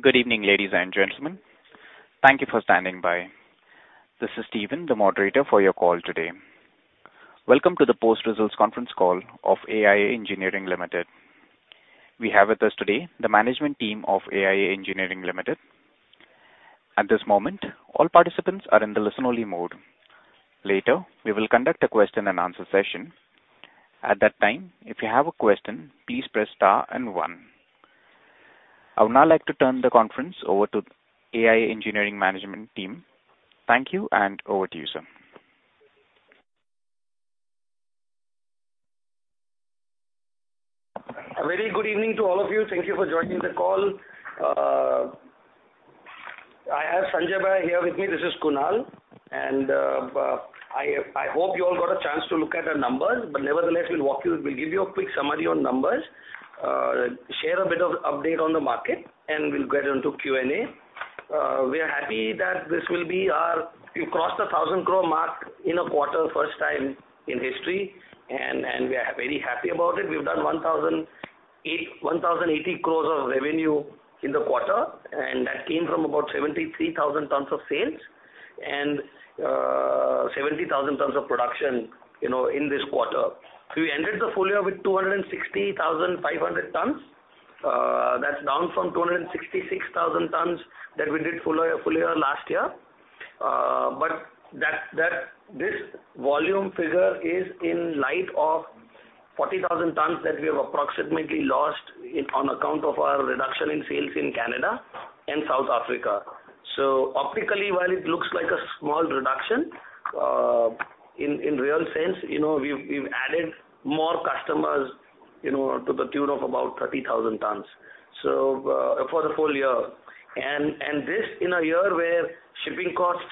Good evening, ladies and gentlemen. Thank you for standing by. This is Steven, the moderator for your call today. Welcome to the post-results conference call of AIA Engineering Limited. We have with us today the management team of AIA Engineering Limited. At this moment, all participants are in the listen-only mode. Later, we will conduct a question-and-answer session. At that time, if you have a question, please press star and one. I would now like to turn the conference over to AIA Engineering management team. Thank you, and over to you, sir. A very good evening to all of you. Thank you for joining the call. I have Sanjay Bhai here with me. This is Kunal. I hope you all got a chance to look at our numbers, but nevertheless, we'll give you a quick summary on numbers, share a bit of update on the market, and we'll get on to Q&A. We are happy that we've crossed 1,000 crore mark in a quarter first time in history, and we are very happy about it. We've done 1,080 crore of revenue in the quarter, and that came from about 73,000 tons of sales and 70,000 tons of production, you know, in this quarter. We ended the full year with 265,000 tons. That's down from 266,000 tons that we did full year last year. But this volume figure is in light of 40,000 tons that we have approximately lost on account of our reduction in sales in Canada and South Africa. Optically, while it looks like a small reduction, in real sense, you know, we've added more customers, you know, to the tune of about 30,000 tons, for the full year. This in a year where shipping costs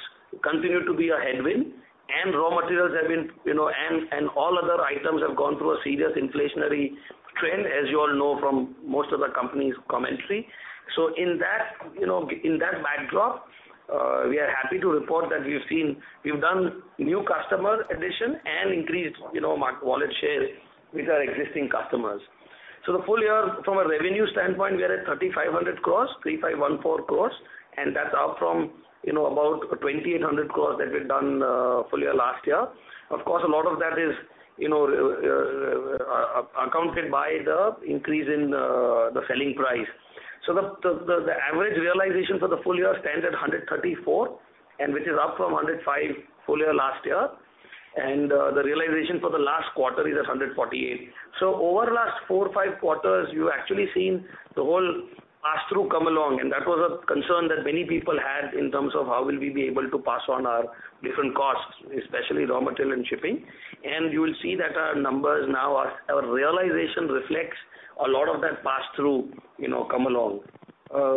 continue to be a headwind and raw materials have been, you know, and all other items have gone through a serious inflationary trend, as you all know from most of the company's commentary. In that, you know, in that backdrop, we are happy to report that we've seen, we've done new customer addition and increased, you know, market share with our existing customers. The full year from a revenue standpoint, we are at 3,500 crores, 3,514 crores, and that's up from, you know, about 2,800 crores that we've done full year last year. Of course, a lot of that is, you know, accounted by the increase in the selling price. The average realization for the full year stands at $134, and which is up from $105 full year last year. The realization for the last quarter is at $148. Over the last four, five quarters, you've actually seen the whole pass-through come along, and that was a concern that many people had in terms of how will we be able to pass on our different costs, especially raw material and shipping. You will see that our numbers now are our realization reflects a lot of that pass-through, you know, come along.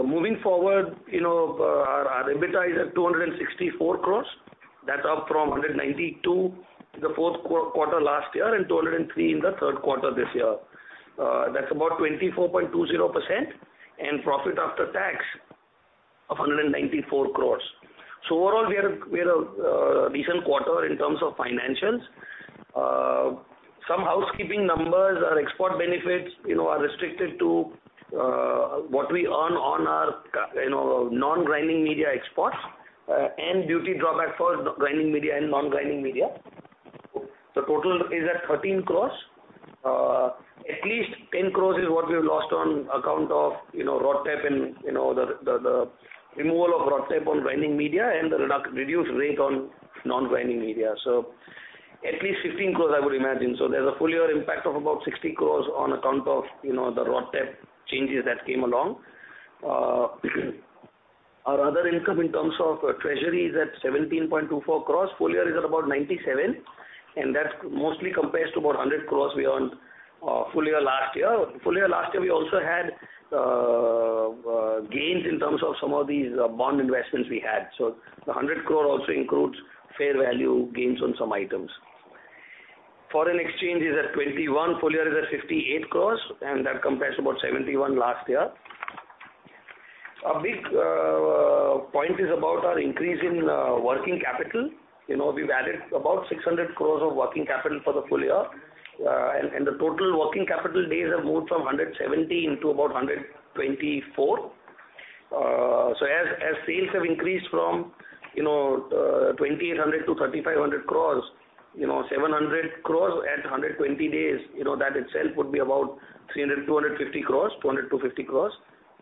Moving forward, you know, our EBITDA is at 264 crore. That's up from 192 crore the fourth quarter last year and 203 crore in the third quarter this year. That's about 24.20% and profit after tax of 194 crore. Overall, we had a decent quarter in terms of financials. Some housekeeping numbers. Our export benefits, you know, are restricted to what we earn on our non-grinding media exports, and duty drawback for the grinding media and non-grinding media. Total is at 13 crore. At least 10 crore is what we've lost on account of, you know, RoDTEP and, you know, the removal of RoDTEP on grinding media and the reduced rate on non-grinding media. At least 15 crore, I would imagine. There's a full year impact of about 60 crore on account of, you know, the RoDTEP changes that came along. Our other income in terms of treasury is at 17.24 crore. Full year is at about 97, and that mostly compares to about 100 crore we earned full year last year. Full year last year, we also had gains in terms of some of these bond investments we had. The 100 crore also includes fair value gains on some items. Foreign exchange is at 21 crore. Full year is at 58 crore, and that compares to about 71 crore last year. A big point is about our increase in working capital. You know, we've added about 600 crore of working capital for the full year. And the total working capital days have moved from 170 to about 124. So as sales have increased from, you know, 2,800 crore to 3,500 crore, you know, 700 crore at 120 days, you know, that itself would be about 300, 250 crores, 200-250 crores.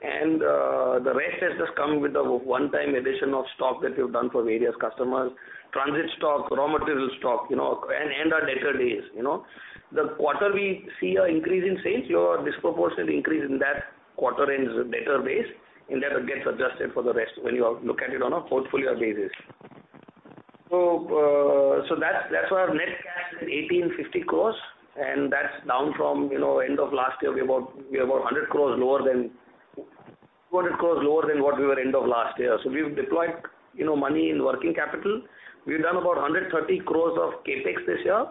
The rest has just come with the one-time addition of stock that we've done for various customers, transit stock, raw material stock, you know, and our debtor days, you know. In the quarter we see an increase in sales, a disproportionate increase in that quarter and debtor days, and that gets adjusted for the rest when you look at it on a full year basis. That's why our net cash is at 1,850 crores, and that's down from, you know, end of last year. We're about 100 crores lower than, 200 crores lower than what we were end of last year. We've deployed, you know, money in working capital. We've done about 130 crores of CapEx this year,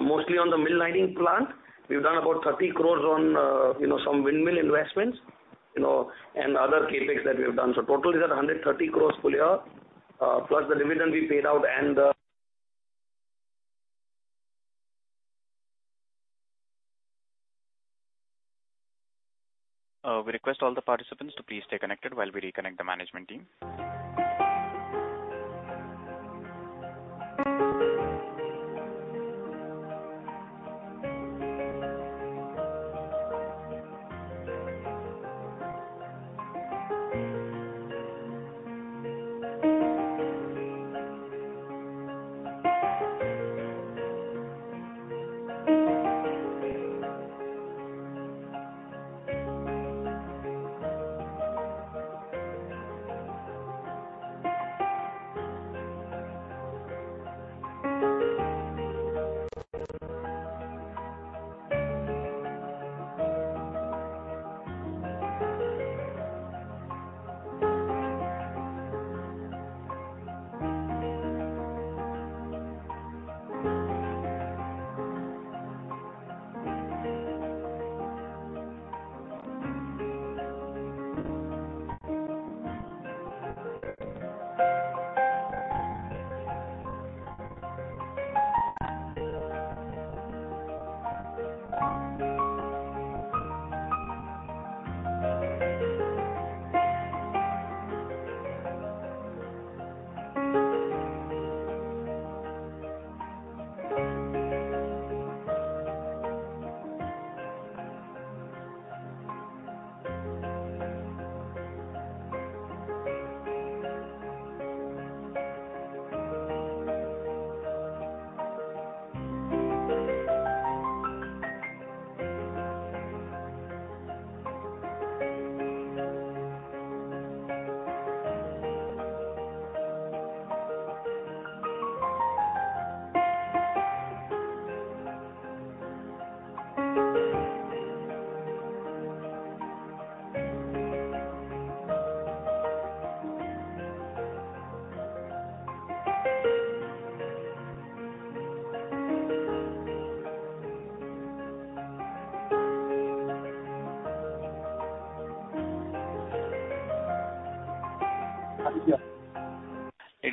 mostly on the mill lining plant. We've done about 30 crore on, you know, some windmill investments, you know, and other CapEx that we have done. Total is at 130 crore full year, plus the dividend we paid out and, We request all the participants to please stay connected while we reconnect the management team.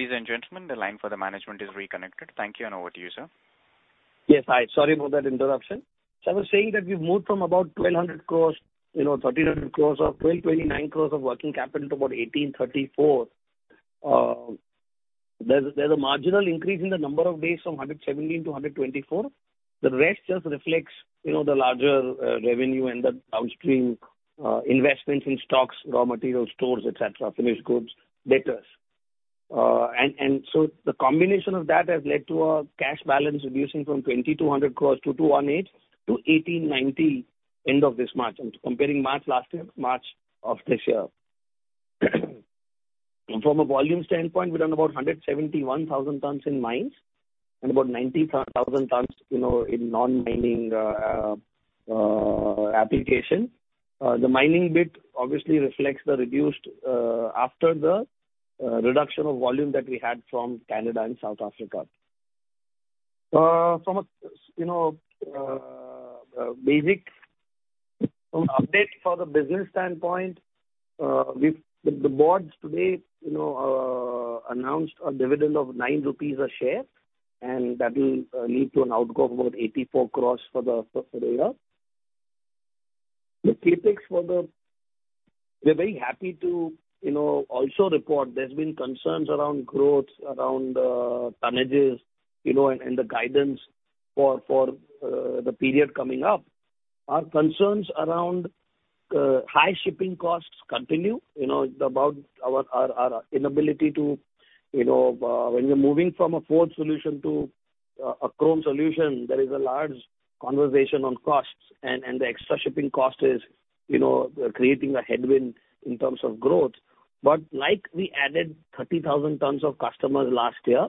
Ladies and gentlemen, the line for the management is reconnected. Thank you, and over to you, sir. Yes. Hi. Sorry about that interruption. I was saying that we've moved from about 1,200 crore, you know, 1,300 crore or 1,229 crore of working capital to about 1,834 crore. There's a marginal increase in the number of days from 117 to 124. The rest just reflects, you know, the larger revenue and the downstream investments in stocks, raw material stores, et cetera, finished goods, debtors. And so the combination of that has led to a cash balance reducing from 2,200 crore to 218 to 1,890 crore end of this March. I'm comparing March last year to March of this year. From a volume standpoint, we've done about 171,000 tonnes in mines and about 90,000 tonnes, you know, in non-mining application. The mining bit obviously reflects the reduction of volume that we had from Canada and South Africa. From a you know basic update for the business standpoint, the Board today you know announced a dividend of 9 rupees a share, and that'll lead to an outgo of about 84 crores for the year. We're very happy to you know also report there's been concerns around growth, around tonnages you know and the guidance for the period coming up. Our concerns around high shipping costs continue. You know, about our inability to, you know, when you're moving from a forged solution to a chrome solution, there is a large conversation on costs and the extra shipping cost is, you know, creating a headwind in terms of growth. Like we added 30,000 tonnes of customers last year,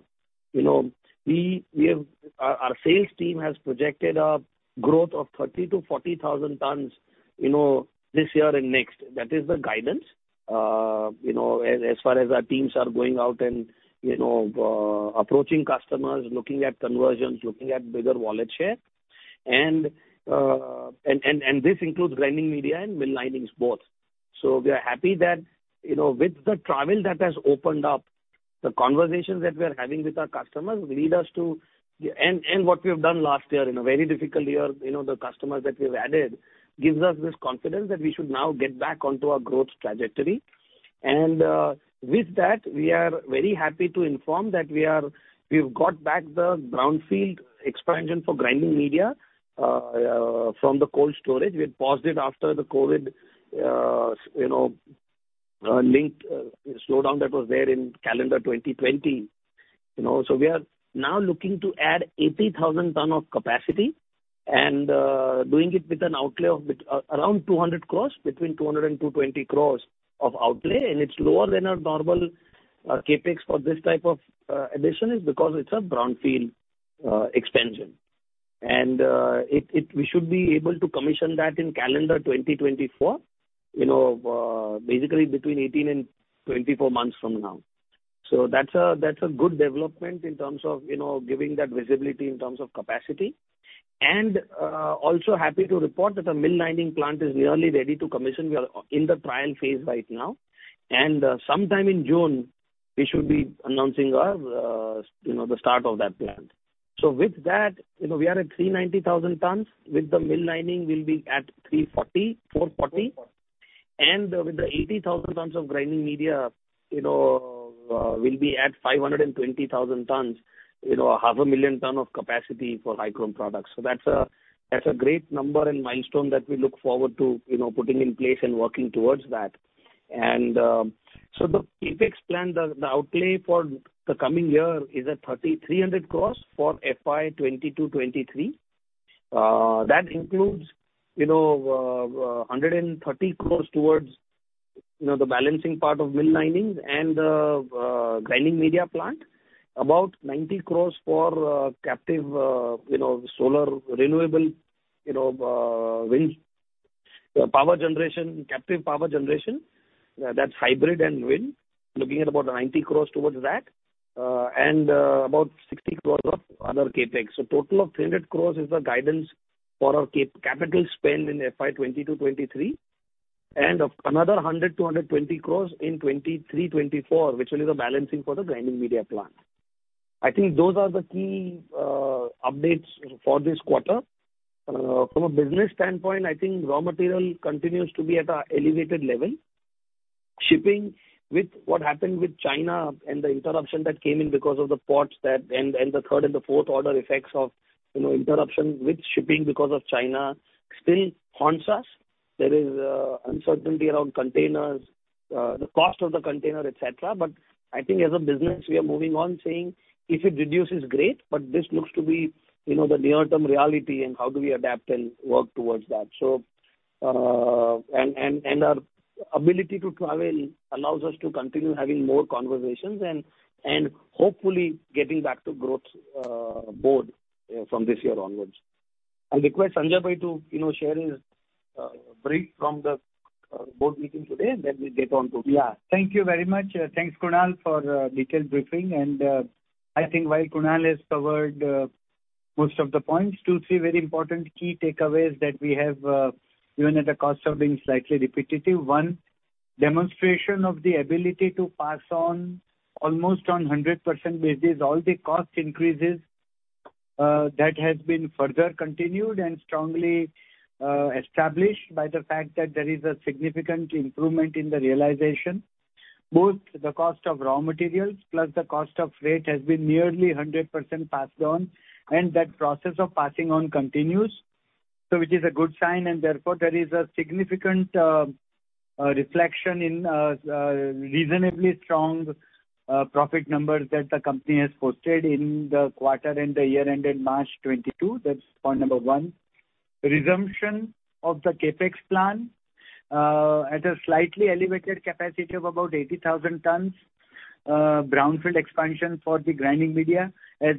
you know, we have our sales team has projected a growth of 30,000-40,000 tonnes, you know, this year and next. That is the guidance. You know, as far as our teams are going out and, you know, approaching customers, looking at conversions, looking at bigger wallet share and this includes grinding media and mill linings both. We are happy that, you know, with the travel that has opened up, the conversations that we are having with our customers lead us to and what we have done last year in a very difficult year, you know, the customers that we've added gives us this confidence that we should now get back onto our growth trajectory. With that, we are very happy to inform that we've got back the brownfield expansion for grinding media from the cold storage. We had paused it after the COVID linked slowdown that was there in calendar 2020, you know. We are now looking to add 80,000 tonnes of capacity and doing it with an outlay of around 200 crore, between 200 crore and 220 crore of outlay. It's lower than our normal CapEx for this type of addition is because it's a brownfield expansion. We should be able to commission that in calendar 2024, you know, basically between 18 and 24 months from now. That's a good development in terms of, you know, giving that visibility in terms of capacity. Also happy to report that our mill lining plant is nearly ready to commission. We are in the trial phase right now. Sometime in June we should be announcing our, you know, the start of that plant. With that, you know, we are at 390,000 tons. With the mill lining, we'll be at 340,000-440,000. With the 80,000 tons of grinding media, you know, we'll be at 520,000 tons, you know, 500,000 tons of capacity for high chrome products. That's a great number and milestone that we look forward to, you know, putting in place and working towards that. The CapEx plan, the outlay for the coming year is at 3,300 crores for FY 2022-23. That includes, you know, 130 crores towards, you know, the balancing part of mill linings and grinding media plant. About 90 crores for captive solar renewable wind power generation, captive power generation, that's hybrid and wind. Looking at about 90 crores towards that. And about 60 crores of other CapEx. Total of 300 crore is the guidance for our CapEx in FY 2022-2023. Another 100-120 crore in 2023-2024, which will be the balancing for the grinding media plant. I think those are the key updates for this quarter. From a business standpoint, I think raw material continues to be at an elevated level. Shipping, with what happened with China and the interruption that came in because of the ports that and the third and the fourth order effects of, you know, interruption with shipping because of China still haunts us. There is uncertainty around containers, the cost of the container, et cetera. I think as a business, we are moving on saying, if it reduces great, but this looks to be, you know, the near-term reality and how do we adapt and work towards that. Our ability to travel allows us to continue having more conversations and hopefully getting back to growth from this year onwards. I'll request Sanjay bhai to, you know, share his brief from the board meeting today, and then we'll get on to. Yeah. Thank you very much. Thanks, Kunal, for a detailed briefing. I think while Kunal has covered most of the points, two, three very important key takeaways that we have, even at the cost of being slightly repetitive. One, demonstration of the ability to pass on almost on 100% basis all the cost increases, that has been further continued and strongly established by the fact that there is a significant improvement in the realization. Both the cost of raw materials plus the cost of freight has been nearly 100% passed on, and that process of passing on continues. Which is a good sign, and therefore there is a significant reflection in reasonably strong profit numbers that the company has posted in the quarter and the year ending March 2022. That's point number one. Resumption of the CapEx plan at a slightly elevated capacity of about 80,000 tons. Brownfield expansion for the grinding media as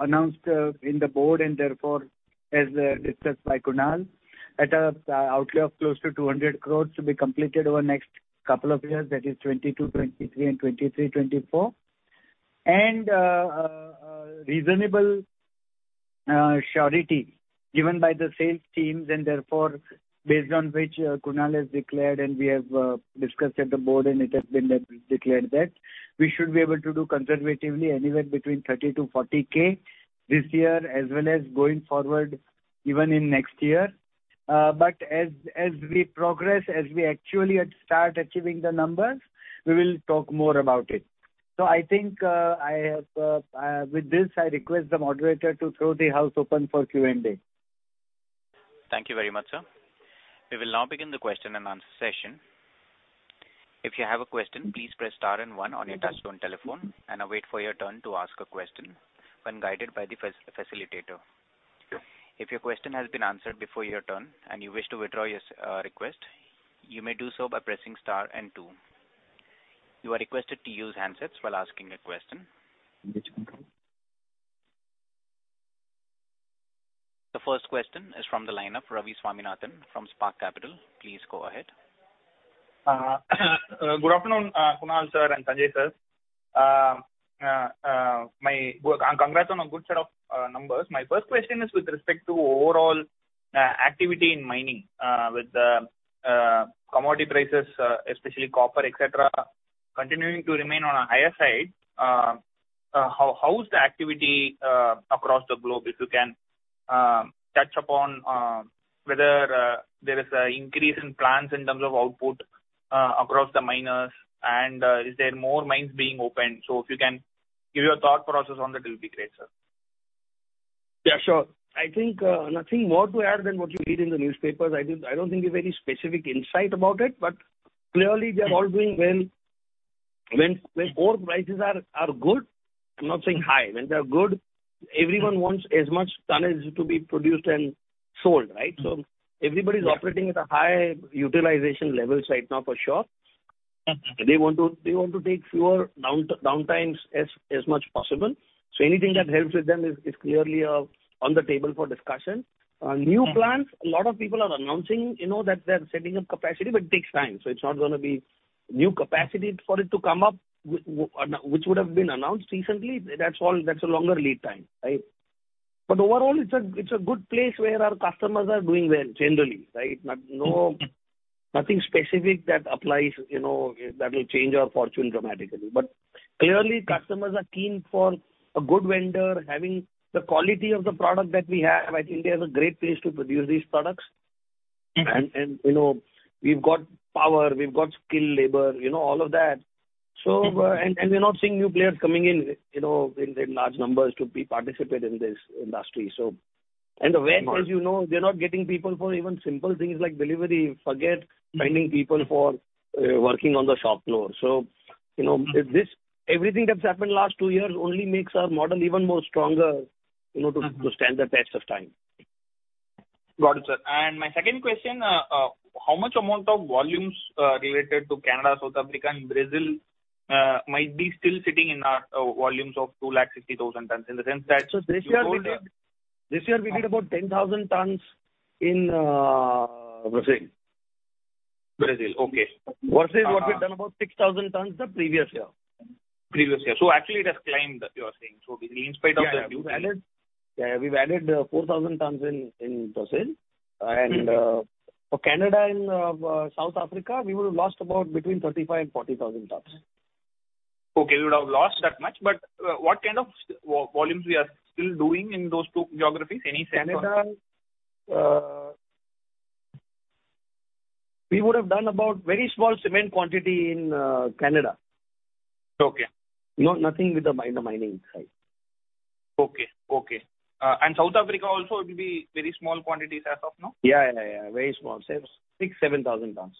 announced in the board, and therefore as discussed by Kunal. At an outlay of close to 200 crore to be completed over next couple of years, that is 2022/2023 and 2023/2024. Reasonable surety given by the sales teams and therefore based on which Kunal has declared and we have discussed at the board and it has been declared that we should be able to do conservatively anywhere between 30-40K this year as well as going forward even in next year. As we progress, as we actually start achieving the numbers, we will talk more about it. I think I have. With this, I request the moderator to throw the house open for Q&A. Thank you very much, sir. We will now begin the question and answer session. If you have a question, please press star and one on your touchtone telephone and wait for your turn to ask a question when guided by the facilitator. If your question has been answered before your turn and you wish to withdraw your request, you may do so by pressing star and two. You are requested to use handsets while asking a question. The first question is from the line, Ravi Swaminathan from Spark Capital. Please go ahead. Good afternoon, Kunal sir and Sanjay sir. Congrats on a good set of numbers. My first question is with respect to overall activity in mining with the commodity prices, especially copper, et cetera, continuing to remain on a higher side. How is the activity across the globe? If you can touch upon whether there is an increase in plans in terms of output across the miners and is there more mines being opened? If you can give your thought process on it'll be great, sir. Yeah, sure. I think nothing more to add than what you read in the newspapers. I don't think a very specific insight about it, but clearly they're all doing well. When ore prices are good, I'm not saying high. When they're good, everyone wants as much tonnage to be produced and sold, right? Everybody's operating at a high utilization levels right now for sure. They want to take fewer downtimes as much as possible. Anything that helps with them is clearly on the table for discussion. New plants, a lot of people are announcing, you know, that they're setting up capacity, but it takes time. It's not gonna be new capacity for it to come up which would have been announced recently. That's all, a longer lead time, right? Overall, it's a good place where our customers are doing well generally, right? Mm-hmm. Nothing specific that applies, you know, that will change our fortune dramatically. Clearly, customers are keen for a good vendor having the quality of the product that we have. I think we have a great place to produce these products. Mm-hmm. you know, we've got power, we've got skilled labor, you know, all of that. Mm-hmm. We're not seeing new players coming in, you know, in large numbers to participate in this industry, so. The warehouses- Right. You know, they're not getting people for even simple things like delivery. Forget Mm-hmm. Finding people for working on the shop floor. You know, this, everything that's happened last two years only makes our model even more stronger, you know. Mm-hmm. to stand the test of time. Got it, sir. My second question, how much amount of volumes related to Canada, South Africa, and Brazil might be still sitting in our volumes of 260,000 tonnes, in the sense that you told- This year we did about 10,000 tons in Brazil. Brazil, okay. Versus what we've done about 6,000 tons the previous year. Previous year. Actually it has climbed, you are saying. Basically in spite of the duties. Yeah. We've added 4,000 tons in Brazil. Mm-hmm. For Canada and South Africa, we would have lost about between 35,000-40,000 tonnes. Okay. You would have lost that much. What kind of volumes we are still doing in those two geographies? Any sense on- Canada, we would have done about very small cement quantity in, Canada. Okay. No, nothing with the mining side. Okay, South Africa also it will be very small quantities as of now? Yeah, yeah. Very small. 6,000-7,000 tons.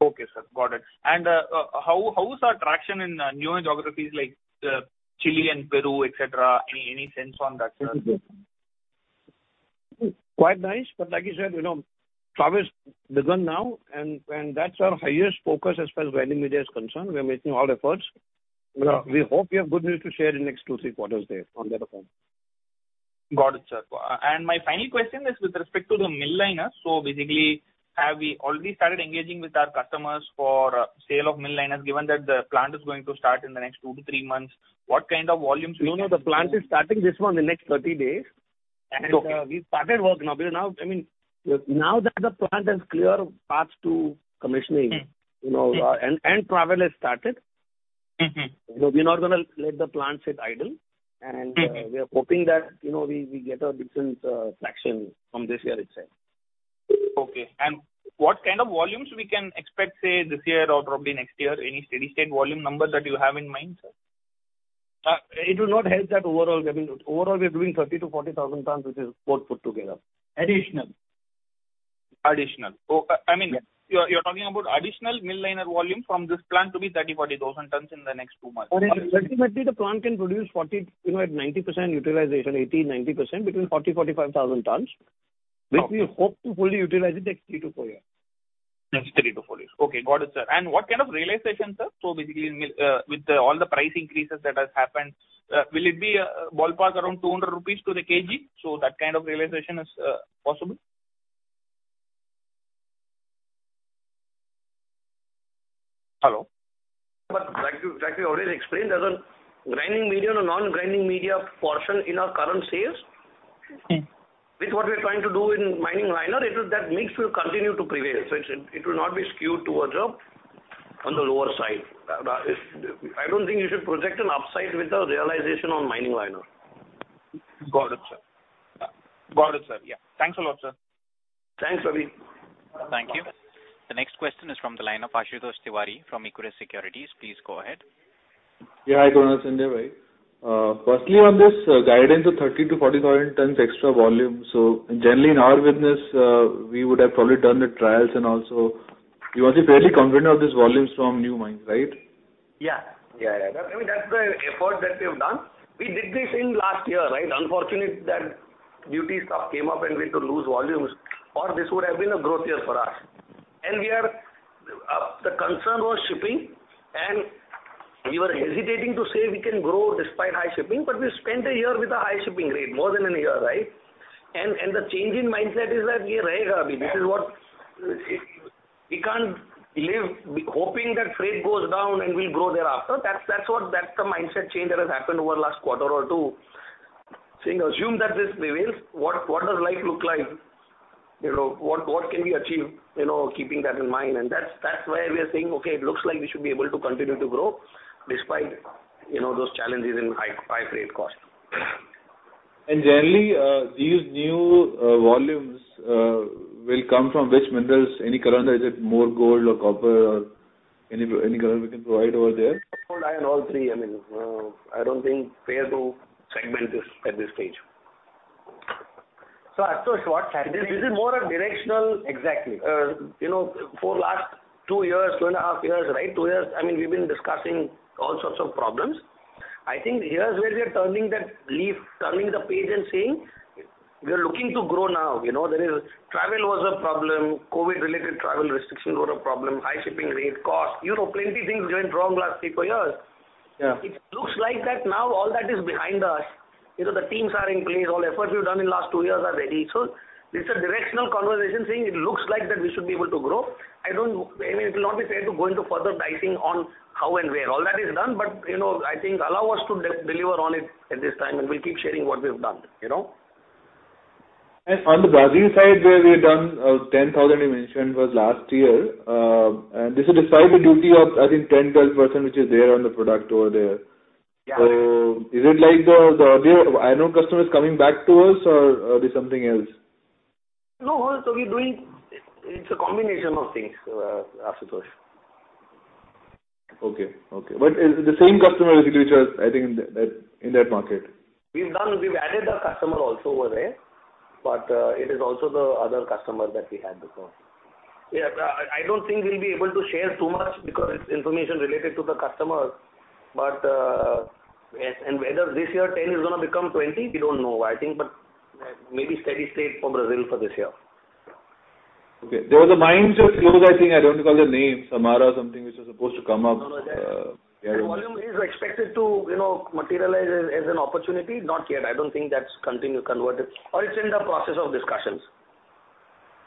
Okay, sir. Got it. How is our traction in newer geographies like Chile and Peru, et cetera? Any sense on that, sir? Quite nice, but like you said, you know, travel's begun now and that's our highest focus as far as grinding media is concerned. We're making all efforts. Yeah. We hope we have good news to share in next 2, 3 quarters there on that account. Got it, sir. My final question is with respect to the mill liner. Basically, have we already started engaging with our customers for sale of mill liners, given that the plant is going to start in the next 2-3 months? What kind of volumes we can expect? No, no. The plant is starting this one in the next 30 days. Okay. We started work now. Now, I mean, now that the plant has clear path to commissioning. Mm-hmm. You know, travel has started. Mm-hmm. You know, we're not gonna let the plant sit idle. Mm-hmm. We are hoping that, you know, we get a decent traction from this year itself. Okay. What kind of volumes we can expect, say, this year or probably next year? Any steady state volume numbers that you have in mind, sir? It will not help that overall. I mean, overall, we are doing 30,000-40,000 tonnes, which is both put together. Additional. Additional. Oh, I, I mean- Yeah. You're talking about additional mill liner volume from this plant to be 30,000-40,000 tonnes in the next two months. Ultimately, the plant can produce 40, you know, at 90% utilization, 80-90%, between 40,000-45,000 tonnes. Okay. Which we hope to fully utilize in the next 3-4 years. Next 3-4 years. Okay. Got it, sir. What kind of realization, sir? Basically, with all the price increases that has happened, will it be ballpark around 200 rupees to the kg? That kind of realization is possible? Hello? Like you, like we already explained, there's a grinding media and a non-grinding media portion in our current sales. Mm-hmm. With what we're trying to do in mining liner, it'll, that mix will continue to prevail. It will not be skewed towards, on the lower side. I don't think you should project an upside with the realization on mining liner. Got it, sir. Yeah. Thanks a lot, sir. Thanks, Ravi. Thank you. The next question is from the line of Ashutosh Tiwari from Equirus Securities. Please go ahead. Yeah. Hi, Kunal Shah. Personally, on this guidance of 30,000-40,000 tons extra volume, so generally in our business, we would have probably done the trials and also you are fairly confident of these volumes from new mines, right? Yeah. Yeah, yeah. I mean, that's the effort that we have done. We did this in last year, right? Unfortunately, that duty stuff came up and we had to lose volumes, or this would have been a growth year for us. We are, the concern was shipping, and we were hesitating to say we can grow despite high shipping, but we spent a year with a high shipping rate, more than a year, right? The change in mindset is that Mm-hmm. We can't live hoping that freight goes down and we'll grow thereafter. That's the mindset change that has happened over the last quarter or two. Saying assume that this prevails, what does life look like? You know, what can we achieve, you know, keeping that in mind? That's where we are saying, okay, it looks like we should be able to continue to grow despite, you know, those challenges in high freight cost. Generally, these new volumes will come from which minerals? Any color? Is it more gold or copper or any color we can provide over there? Gold, iron, all three. I mean, I don't think fair to segment this at this stage. This is more a directional. Exactly. You know, for last 2 years, 2.5 years, right? 2 years, I mean, we've been discussing all sorts of problems. I think here's where we are turning that leaf, turning the page and saying, we are looking to grow now. You know, there is travel was a problem, COVID-related travel restrictions were a problem, high shipping rate, cost. You know, plenty things went wrong last 3-4 years. Yeah. It looks like that now all that is behind us. You know, the teams are in place. All efforts we've done in last two years are ready. This is a directional conversation saying it looks like that we should be able to grow. I mean, it will not be fair to go into further dicing on how and where. All that is done. You know, I think allow us to deliver on it at this time, and we'll keep sharing what we've done, you know? On the Brazil side, where we had done 10,000 you mentioned was last year, and this will attract the duty of, I think, 10%-12%, which is there on the product over there. Yeah. Is it like the earlier I know customers coming back to us or there's something else? No. It's a combination of things, Ashutosh. Is it the same customer basically which was I think in that market? We've added a customer also over there, but it is also the other customer that we had before. Yeah. I don't think we'll be able to share too much because it's information related to the customer. Yes, and whether this year 10 is gonna become 20, we don't know. I think maybe steady state for Brazil for this year. Okay. There was a mine just closed, I think. I don't recall the name. Samarco something, which was supposed to come up. No, no. The volume is expected to, you know, materialize as an opportunity. Not yet. I don't think that's continued, converted, or it's in the process of discussions.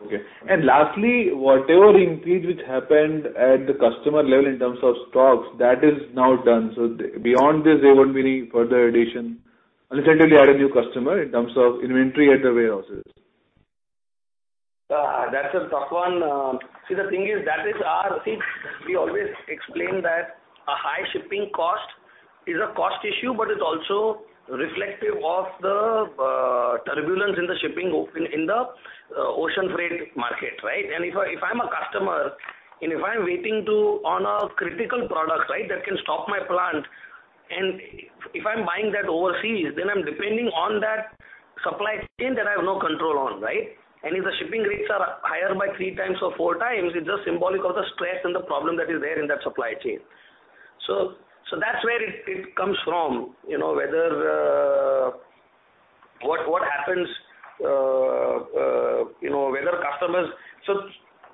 Okay. Lastly, whatever increase which happened at the customer level in terms of stocks, that is now done. Beyond this, there won't be any further addition, unless you add a new customer in terms of inventory at the warehouses. That's a tough one. See, we always explain that a high shipping cost is a cost issue, but it's also reflective of the turbulence in the shipping, in the ocean freight market, right? If I'm a customer, and if I'm waiting on a critical product, right, that can stop my plant, and if I'm buying that overseas, then I'm depending on that supply chain that I have no control on, right? If the shipping rates are higher by three times or four times, it's just symbolic of the stress and the problem that is there in that supply chain. So that's where it comes from, you know, whether what happens, you know, whether customers.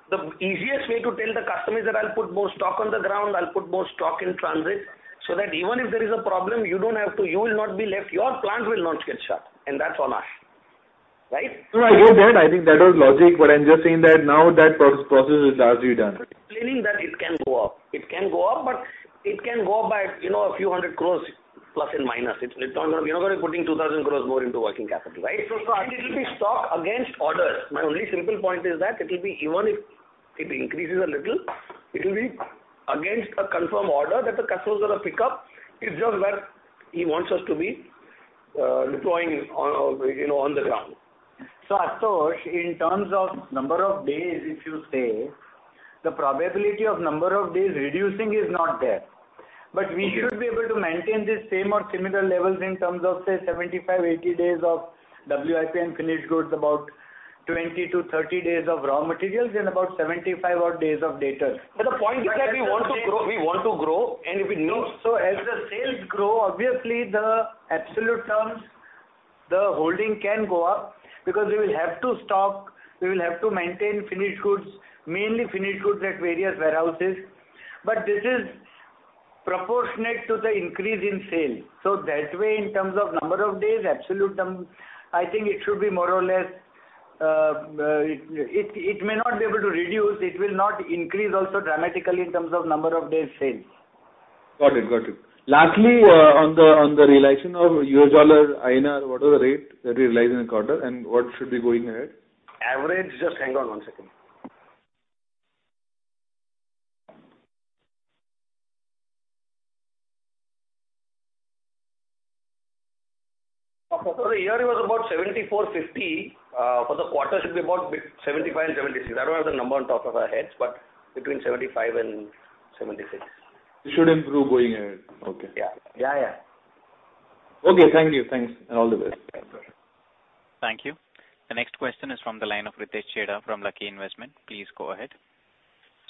The easiest way to tell the customer is that I'll put more stock on the ground, I'll put more stock in transit, so that even if there is a problem, you will not be left. Your plant will not get shut, and that's on us, right? No, I get that. I think that was logical, but I'm just saying that now that process is largely done. Explaining that it can go up. It can go up, but it can go by, you know, INR a few hundred crores plus and minus. It's not like we're putting 2,000 crores more into working capital, right? It'll be stock against orders. My only simple point is that it'll be even if it increases a little, it'll be against a confirmed order that the customers are to pick up. It's just where he wants us to be, deploying on, you know, on the ground. Ashutosh, in terms of number of days, if you say, the probability of number of days reducing is not there. But we should be able to maintain the same or similar levels in terms of, say, 75-80 days of WIP and finished goods, about 20-30 days of raw materials and about 75 odd days of debt. The point is that we want to grow, and if we know. As the sales grow, obviously the absolute terms, the holding can go up because we will have to stock, we will have to maintain finished goods, mainly finished goods at various warehouses. This is proportionate to the increase in sales. That way, in terms of number of days, absolute term, I think it should be more or less, it may not be able to reduce, it will not increase also dramatically in terms of number of days sales. Got it. Lastly, on the realization of U.S. dollar, INR, what are the rate that you realized in the quarter, and what should be going ahead? Average, just hang on 1 second. Ashutosh, the yearly was about 74.50. For the quarter should be about 75 and 76. I don't have the number on top of our heads, but between 75 and 76. It should improve going ahead. Okay. Yeah. Yeah, yeah. Okay. Thank you. Thanks, and all the best. Yeah, sure. Thank you. The next question is from the line of Ritesh Chheda from Lucky Investment Managers. Please go ahead.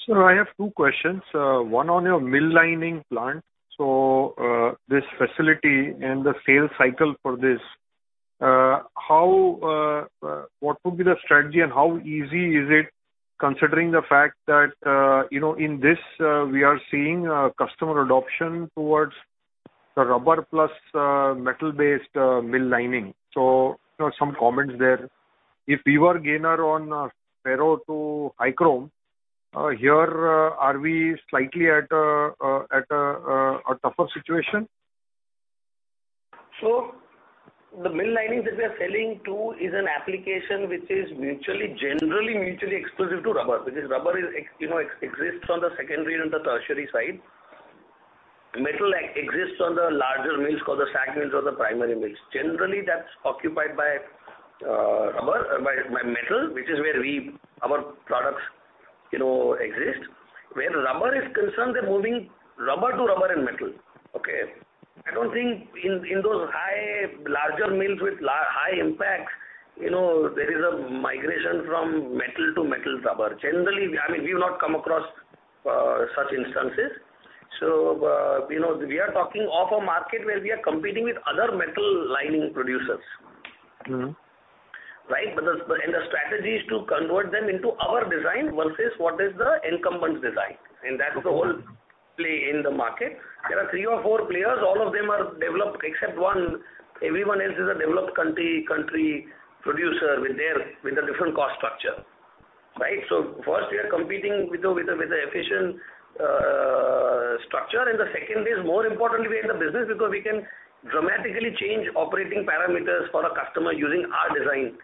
Sir, I have two questions. One on your mill lining plant. This facility and the sales cycle for this, what would be the strategy and how easy is it considering the fact that, you know, in this, we are seeing customer adoption towards the rubber plus metal-based mill lining? You know, some comments there. If we were a gainer on ferro to high chrome, here, are we slightly at a tougher situation? The mill linings that we are selling to is an application which is mutually, generally mutually exclusive to rubber, because rubber exists on the secondary and the tertiary side. Metal exists on the larger mills called the SAG mills or the primary mills. Generally, that's occupied by rubber, by metal, which is where we, our products exist. Where rubber is concerned, they're moving rubber to rubber and metal. Okay? I don't think in those high larger mills with high impact, there is a migration from metal to rubber. Generally, I mean, we've not come across such instances. We are talking of a market where we are competing with other metal linings producers. Mm-hmm. Right? The strategy is to convert them into our design versus what is the incumbent design. That's the whole play in the market. There are three or four players. All of them are developed except one. Everyone else is a developed country producer with a different cost structure. Right. First we are competing with an efficient structure. The second is more importantly, we are in the business because we can dramatically change operating parameters for a customer using our design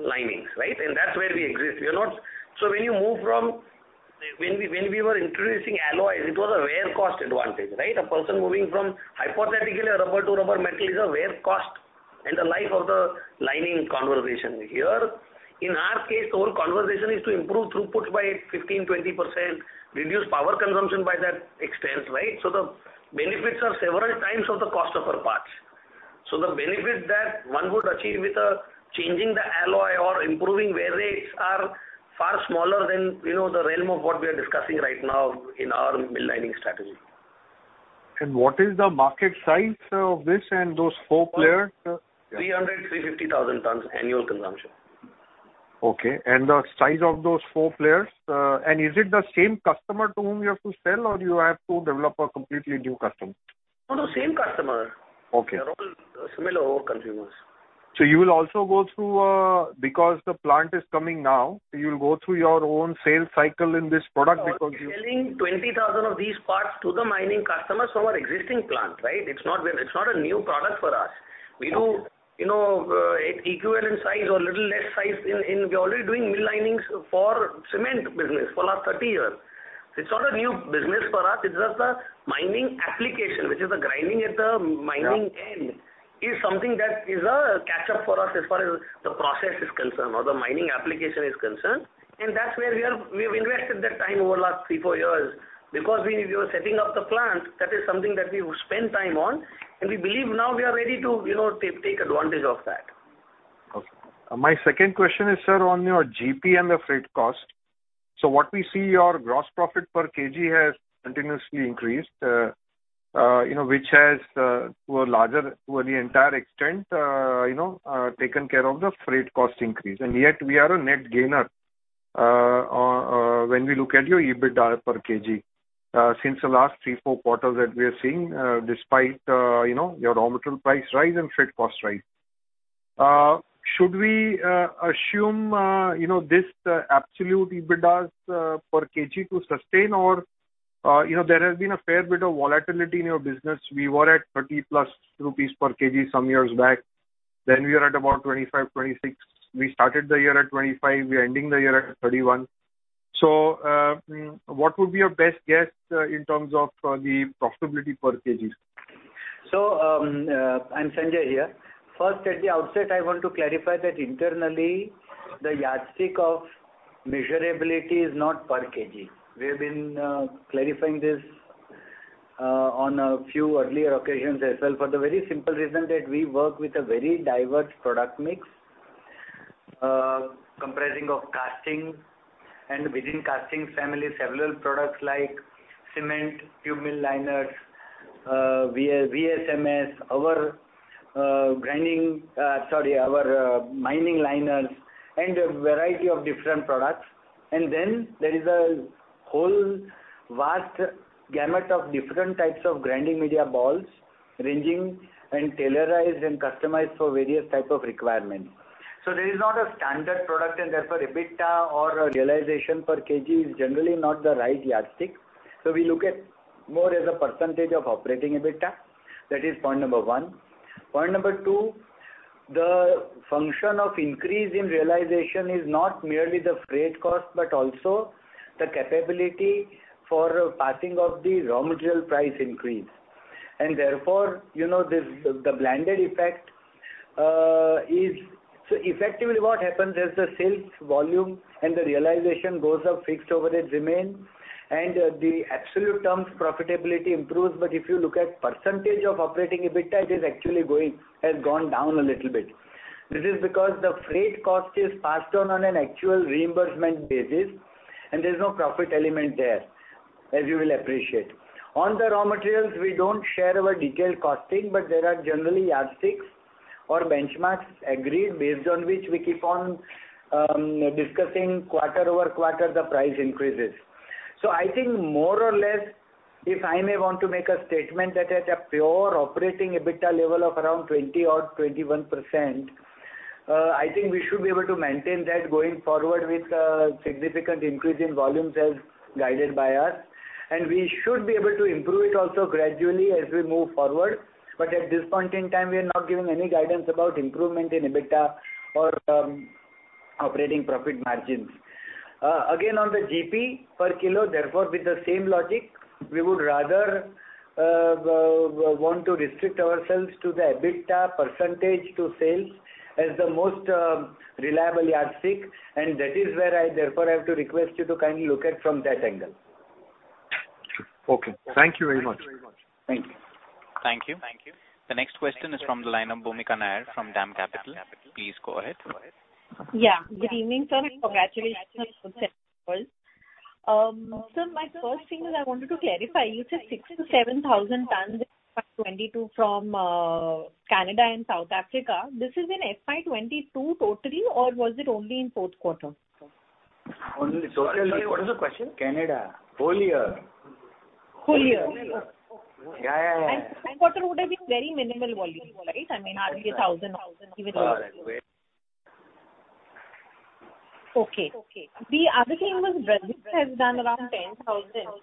linings, right? That's where we exist. We are not. When we were introducing alloys, it was a wear cost advantage, right? A person moving from hypothetically a rubber to rubber metal is a wear cost and the life of the lining conversation. Here, in our case, the whole conversation is to improve throughput by 15%-20%, reduce power consumption by that extent, right? The benefits are several times of the cost of our parts. The benefit that one would achieve with changing the alloy or improving wear rates are far smaller than, you know, the realm of what we are discussing right now in our mill lining strategy. What is the market size of this and those four players? 300,000-350,000 tons annual consumption. Okay. The size of those four players, and is it the same customer to whom you have to sell or you have to develop a completely new customer? No, the same customer. Okay. They're all similar consumers. You will also go through, because the plant is coming now, you'll go through your own sales cycle in this product because you. We're selling 20,000 of these parts to the mining customers from our existing plant, right? It's not a new product for us. Okay. We do, you know, equivalent size or little less size in we're already doing mill linings for cement business for last 30 years. It's not a new business for us. It's just a mining application, which is the grinding at the mining end, is something that is a catch-up for us as far as the process is concerned or the mining application is concerned. That's where we are, we've invested that time over last 3-4 years. Because we were setting up the plant, that is something that we would spend time on, and we believe now we are ready to, you know, take advantage of that. Okay. My second question is, sir, on your GP and the freight cost. What we see your gross profit per kg has continuously increased, you know, which has to an entire extent, you know, taken care of the freight cost increase. Yet we are a net gainer, when we look at your EBITDA per kg, since the last 3-4 quarters that we are seeing, despite, you know, your raw material price rise and freight cost rise. Should we, assume, you know, this absolute EBITDA per kg to sustain or, you know, there has been a fair bit of volatility in your business. We were at 30+ rupees per kg some years back, then we are at about 25, 26. We started the year at 25, we are ending the year at 31. What would be your best guess, in terms of the profitability per kgs? Sanjay here. First, at the outset, I want to clarify that internally the yardstick of measurability is not per kg. We have been clarifying this on a few earlier occasions as well for the very simple reason that we work with a very diverse product mix comprising of casting and within casting family, several products like cement, tube mill liners, VSMs, our grinding, sorry, our mining liners and a variety of different products. Then there is a whole vast gamut of different types of grinding media balls ranging and tailored and customized for various type of requirement. There is not a standard product, and therefore EBITDA or realization per kg is generally not the right yardstick. We look at more as a percentage of operating EBITDA. That is point number one. Point number two, the function of increase in realization is not merely the freight cost, but also the capability for passing of the raw material price increase. Therefore, you know, this, the blended effect. Effectively what happens is the sales volume and the realization goes up, fixed overheads remain, and in absolute terms profitability improves. If you look at percentage of operating EBITDA, it actually has gone down a little bit. This is because the freight cost is passed on an actual reimbursement basis, and there's no profit element there, as you will appreciate. On the raw materials, we don't share our detailed costing, but there are generally yardsticks or benchmarks agreed based on which we keep on discussing quarter-over-quarter the price increases. I think more or less, if I may want to make a statement that at a pure operating EBITDA level of around 20 or 21%, I think we should be able to maintain that going forward with a significant increase in volumes as guided by us. We should be able to improve it also gradually as we move forward. At this point in time, we are not giving any guidance about improvement in EBITDA or operating profit margins. Again, on the GP per kilo, therefore with the same logic, we would rather want to restrict ourselves to the EBITDA percentage to sales as the most reliable yardstick, and that is where I therefore have to request you to kindly look at from that angle. Okay. Thank you very much. Thank you. Thank you. The next question is from the line of Bhumika Nair from DAM Capital. Please go ahead. Good evening, sir, and congratulations on successful. Sir, my first thing that I wanted to clarify, you said 6,000-7,000 tons in FY 2022 from Canada and South Africa. This is in FY 2022 totally, or was it only in fourth quarter? Only totally- Sorry, what is the question? Canada. Whole year. Full year. Yeah. Third quarter would have been very minimal volume, right? I mean, hardly 1,000 or even lower. All right. Wait. Okay. The other thing was Brazil has done around 10,000.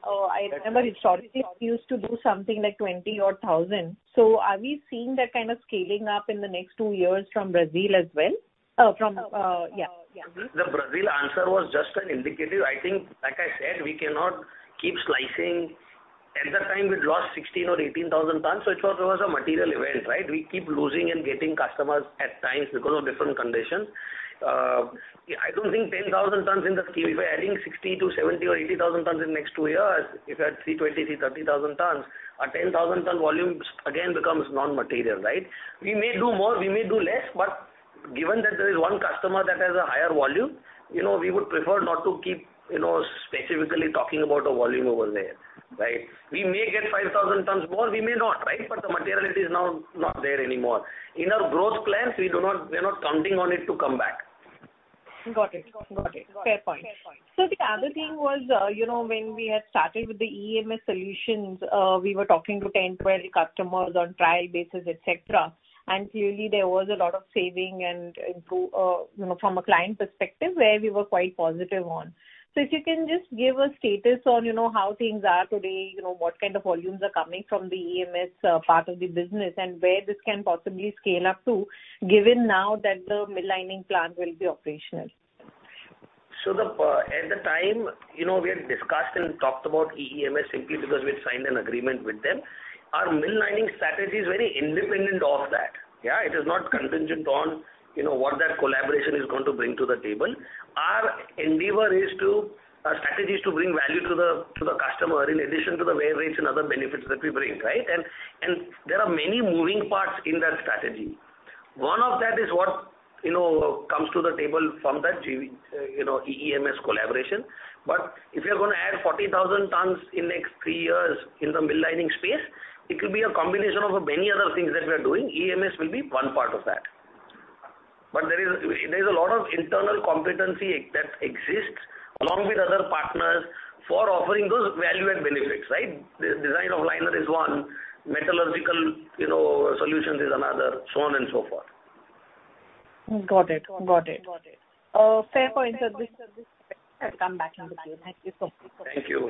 I remember historically it used to do something like twenty odd thousand. Are we seeing that kind of scaling up in the next two years from Brazil as well? The Brazil answer was just an indicative. I think, like I said, we cannot keep slicing. At that time we'd lost 16,000 or 18,000 tons, so it was a material event, right? We keep losing and getting customers at times because of different conditions. Yeah, I don't think 10,000 tons in the scheme. If we're adding 60,000-70,000 or 80,000 tons in next two years, if at 320,000, 330,000 tons, our 10,000-ton volume's again becomes non-material, right? We may do more, we may do less, but given that there is one customer that has a higher volume, you know, we would prefer not to keep, you know, specifically talking about a volume over there, right? We may get 5,000 tons more, we may not, right? The materiality is now not there anymore. In our growth plans, we're not counting on it to come back. Got it. Fair point. The other thing was, you know, when we had started with the EEMS solutions, we were talking to 10, 12 customers on trial basis, et cetera. Clearly there was a lot of saving, you know, from a client perspective where we were quite positive on. If you can just give a status on, you know, how things are today, you know, what kind of volumes are coming from the EEMS, part of the business, and where this can possibly scale up to, given now that the mill lining plant will be operational. At the time, you know, we had discussed and talked about EEMS simply because we had signed an agreement with them. Our mill lining strategy is very independent of that, yeah. It is not contingent on, you know, what that collaboration is going to bring to the table. Our strategy is to bring value to the customer in addition to the wear rates and other benefits that we bring, right? There are many moving parts in that strategy. One of that is what, you know, comes to the table from that JV, you know, EEMS collaboration. If you're gonna add 40,000 tons in next three years in the mill lining space, it will be a combination of many other things that we are doing. EEMS will be one part of that. There is a lot of internal competency that exists along with other partners for offering those value-add benefits, right? Redesign of liner is one, metallurgical, you know, solutions is another, so on and so forth. Got it. Fair point, sir. This I'll come back in the Q&A. Thank you so much. Thank you.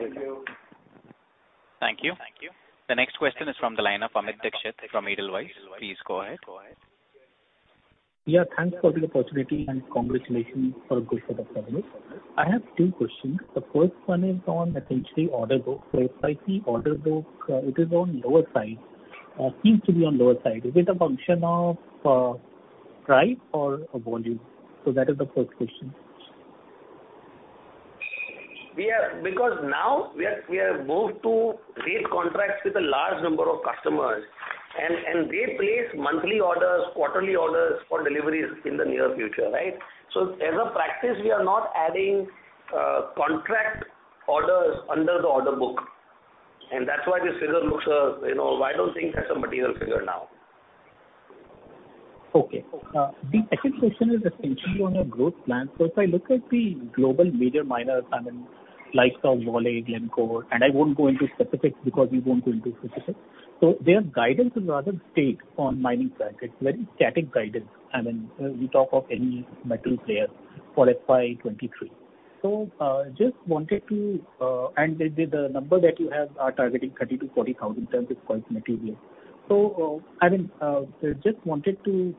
Thank you. The next question is from the line of Amit Dixit from Edelweiss. Please go ahead. Yeah, thanks for the opportunity and congratulations for a good set of numbers. I have two questions. The first one is on essentially order book, where if I see order book, it is on lower side, seems to be on lower side. Is it a function of, price or volume? That is the first question. Because now we are moved to rate contracts with a large number of customers and they place monthly orders, quarterly orders for deliveries in the near future, right? As a practice, we are not adding contract orders under the order book. That's why this figure looks, you know, I don't think that's a material figure now. Okay. The second question is essentially on your growth plan. If I look at the global major miners, I mean, likes of Vale, Glencore, and I won't go into specifics because we won't go into specifics. Their guidance is rather stale on mining sector. It's very static guidance. I mean, we talk of any metal player for FY23. I mean, just wanted to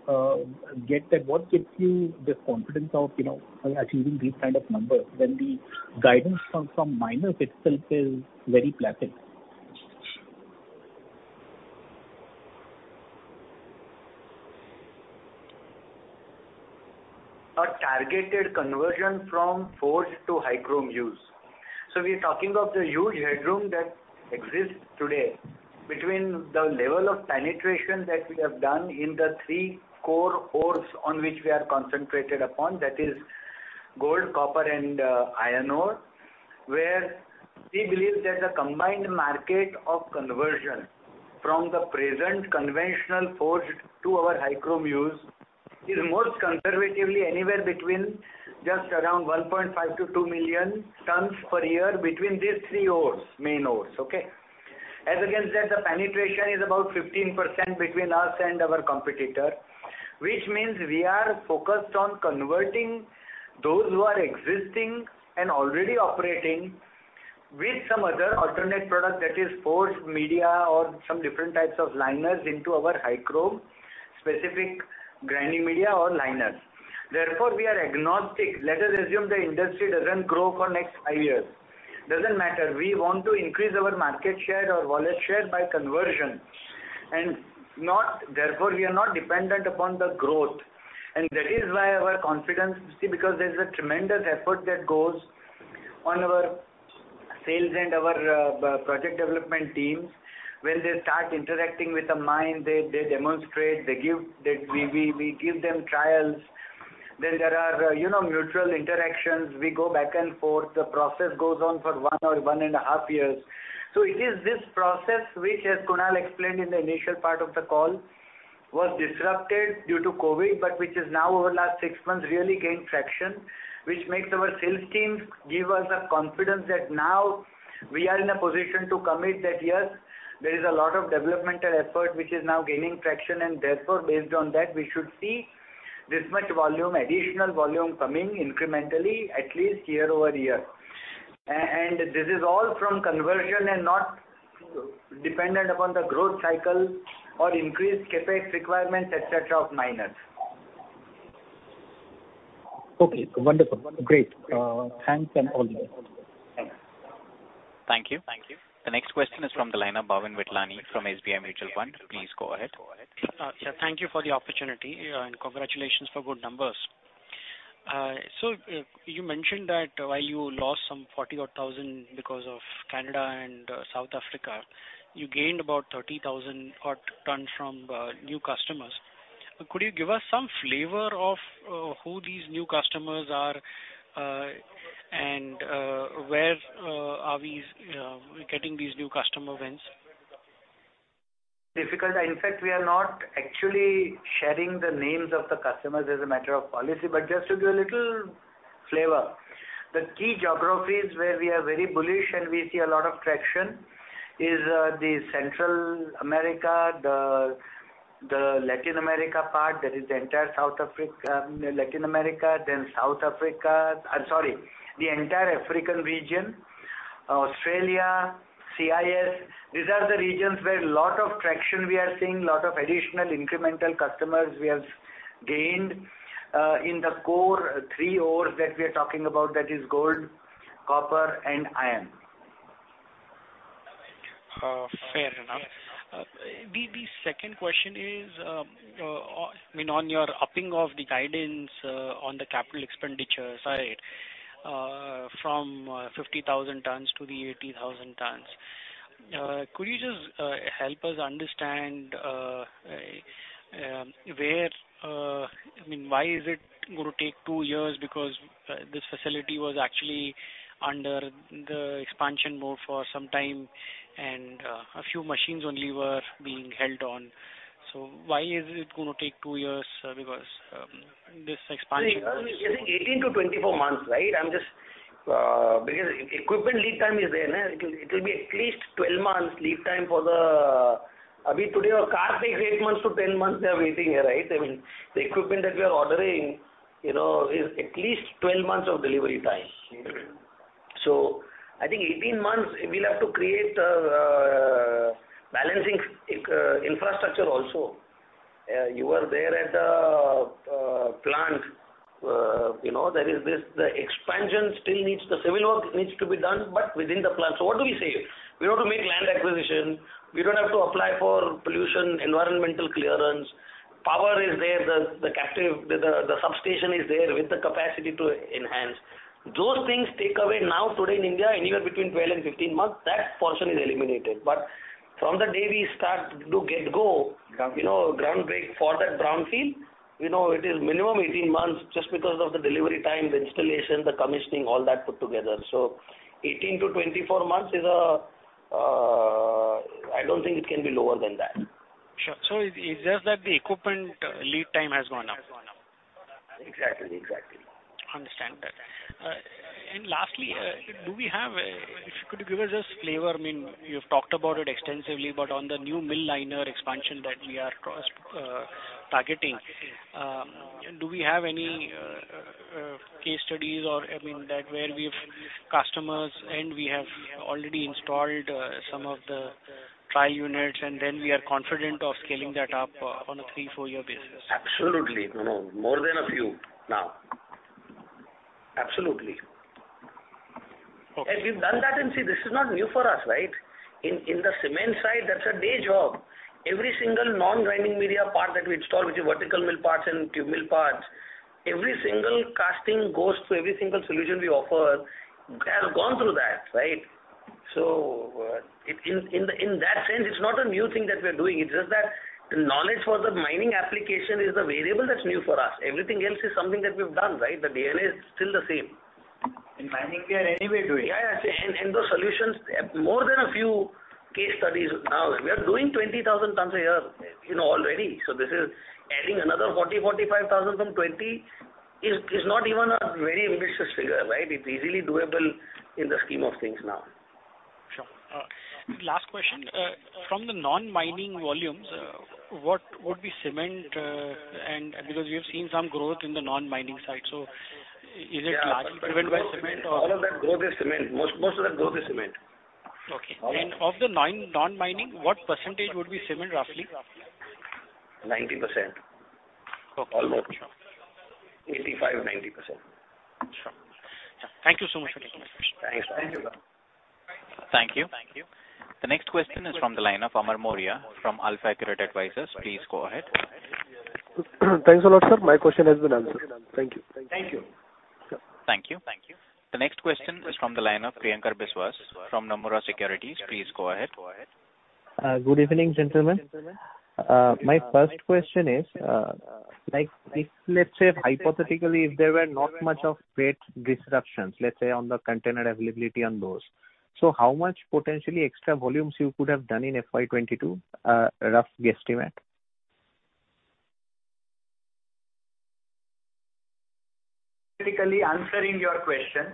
get that what gives you the confidence of, you know, achieving these kind of numbers when the guidance from miners itself is very plateaued. The number that you have are targeting 30,000-40,000 tons is quite material. A targeted conversion from forged to high chrome use. We're talking of the huge headroom that exists today between the level of penetration that we have done in the three core ores on which we are concentrated upon. That is gold, copper and iron ore, where we believe that the combined market of conversion from the present conventional forged to our high chrome use is most conservatively anywhere between just around 1.5-2 million tons per year between these three ores, main ores, okay. As again said, the penetration is about 15% between us and our competitor, which means we are focused on converting those who are existing and already operating with some other alternate product that is forged media or some different types of liners into our high chrome specific grinding media or liners. Therefore, we are agnostic. Let us assume the industry doesn't grow for next five years. Doesn't matter. We want to increase our market share or volume share by conversion, therefore, we are not dependent upon the growth. That is why our confidence, you see, because there's a tremendous effort that goes on in our sales and our project development teams. When they start interacting with the mine, they demonstrate, they give, we give them trials. Then there are, you know, mutual interactions. We go back and forth. The process goes on for one or one and a half years. It is this process which, as Kunal explained in the initial part of the call, was disrupted due to COVID, but which has now over last six months really gained traction, which makes our sales teams give us the confidence that now we are in a position to commit that, yes, there is a lot of developmental effort which is now gaining traction. Therefore, based on that, we should see this much volume, additional volume coming incrementally at least year-over-year. And this is all from conversion and not dependent upon the growth cycle or increased CapEx requirements, et cetera, of miners. Okay, wonderful. Great. Thanks and all the best. Thanks. Thank you. The next question is from the line of Bhavin Vithlani from SBI Mutual Fund. Please go ahead. Sir, thank you for the opportunity, and congratulations for good numbers. You mentioned that while you lost some 40,000-odd tons because of Canada and South Africa, you gained about 30,000-odd tons from new customers. Could you give us some flavor of who these new customers are and where we're getting these new customer wins? Difficult. In fact, we are not actually sharing the names of the customers as a matter of policy. Just to give a little flavor, the key geographies where we are very bullish and we see a lot of traction is the Central America, the Latin America part, that is the entire South Africa, Latin America, then South Africa. I'm sorry, the entire African region, Australia, CIS. These are the regions where lot of traction we are seeing, lot of additional incremental customers we have gained in the core three ores that we are talking about, that is gold, copper and iron. Fair enough. The second question is, I mean, on your upping of the guidance on the capital expenditures side from 50,000 tons to 80,000 tons. Could you just help us understand why it is going to take two years? Because this facility was actually under the expansion mode for some time and a few machines only were being held on. Why is it going to take two years because this expansion was- I think 18-24 months, right? Because equipment lead time is there, it will be at least 12 months lead time. Today a car takes 8-10 months. We are waiting, right? I mean, the equipment that we are ordering, you know, is at least 12 months of delivery time. I think 18 months we'll have to create balancing infrastructure also. You were there at the plant. You know, there is this, the expansion still needs the civil work to be done, but within the plant. What do we save? We don't have to make land acquisition. We don't have to apply for pollution, environmental clearance. Power is there. The captive substation is there with the capacity to enhance. Those things take away now today in India, anywhere between 12 and 15 months, that portion is eliminated. From the day we start to get going, you know, groundbreaking for that brownfield, you know, it is minimum 18 months just because of the delivery time, the installation, the commissioning, all that put together. 18-24 months is, I don't think it can be lower than that. Sure. It's just that the equipment lead time has gone up. Exactly. Exactly. Understand that. Lastly, if you could give us just flavor, I mean, you've talked about it extensively, but on the new mill liner expansion that we are cross targeting, do we have any case studies or, I mean, that where we have customers and we have already installed some of the trial units and then we are confident of scaling that up on a 3-4 year basis? Absolutely. No, no. More than a few now. Absolutely. Okay. We've done that. See, this is not new for us, right? In the cement side, that's a day job. Every single non-grinding media part that we install, which is vertical mill parts and tube mill parts, every single casting goes through every single solution we offer has gone through that, right? In that sense, it's not a new thing that we're doing. It's just that the knowledge for the mining application is the variable that's new for us. Everything else is something that we've done, right? The DNA is still the same. In mining we are anyway doing. Yeah, yeah. The solutions, more than a few case studies now. We are doing 20,000 tons a year, you know, already. This is adding another 40-45,000 from 20 is not even a very ambitious figure, right? It's easily doable in the scheme of things now. Sure. Last question. From the non-mining volumes, what would be cement? Because we have seen some growth in the non-mining side. Is it largely driven by cement or- All of that growth is cement. Most of that growth is cement. Okay. Of the nine non-mining, what percentage would be cement, roughly? 90%. Okay. Almost. 85%-90%. Sure. Thank you so much for taking my question. Thanks. Thank you. The next question is from the line of Amar Mourya from AlfAccurate Advisors. Please go ahead. Thanks a lot, sir. My question has been answered. Thank you. Thank you. Thank you. The next question is from the line of Priyankar Biswas from Nomura Securities. Please go ahead. Good evening, gentlemen. My first question is, like if, let's say hypothetically, if there were not much of freight disruptions, let's say, on the container availability and those. How much potentially extra volumes you could have done in FY 2022, rough guesstimate? Typically answering your question,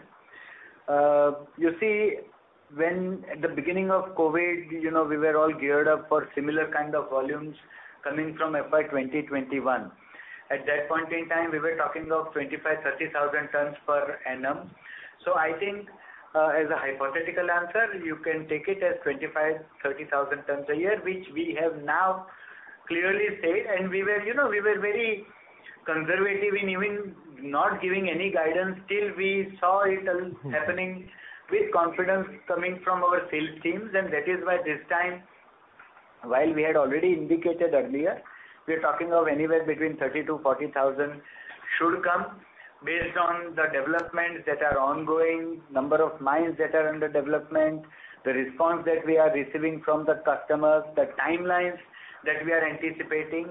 you see when at the beginning of COVID, you know, we were all geared up for similar kind of volumes coming from FY 2021. At that point in time, we were talking of 25,000-30,000 tons per annum. I think, as a hypothetical answer, you can take it as 25,000-30,000 tons a year, which we have now clearly said and we were, you know, we were very conservative in even not giving any guidance till we saw it happening with confidence coming from our sales teams. that is why this time, while we had already indicated earlier, we are talking of anywhere between 30-40 thousand should come based on the developments that are ongoing, number of mines that are under development, the response that we are receiving from the customers, the timelines that we are anticipating,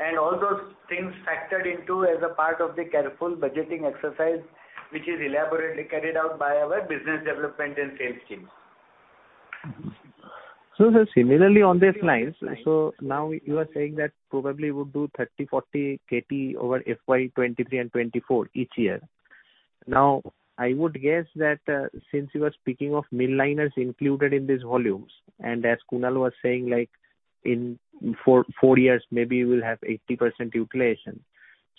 and all those things factored into as a part of the careful budgeting exercise, which is elaborately carried out by our business development and sales teams. Sir, similarly on these lines, now you are saying that probably you would do 30-40 KT over FY 2023 and FY 2024 each year. Now, I would guess that, since you are speaking of mill liners included in these volumes, and as Kunal was saying, like in 4 years, maybe you will have 80% utilization.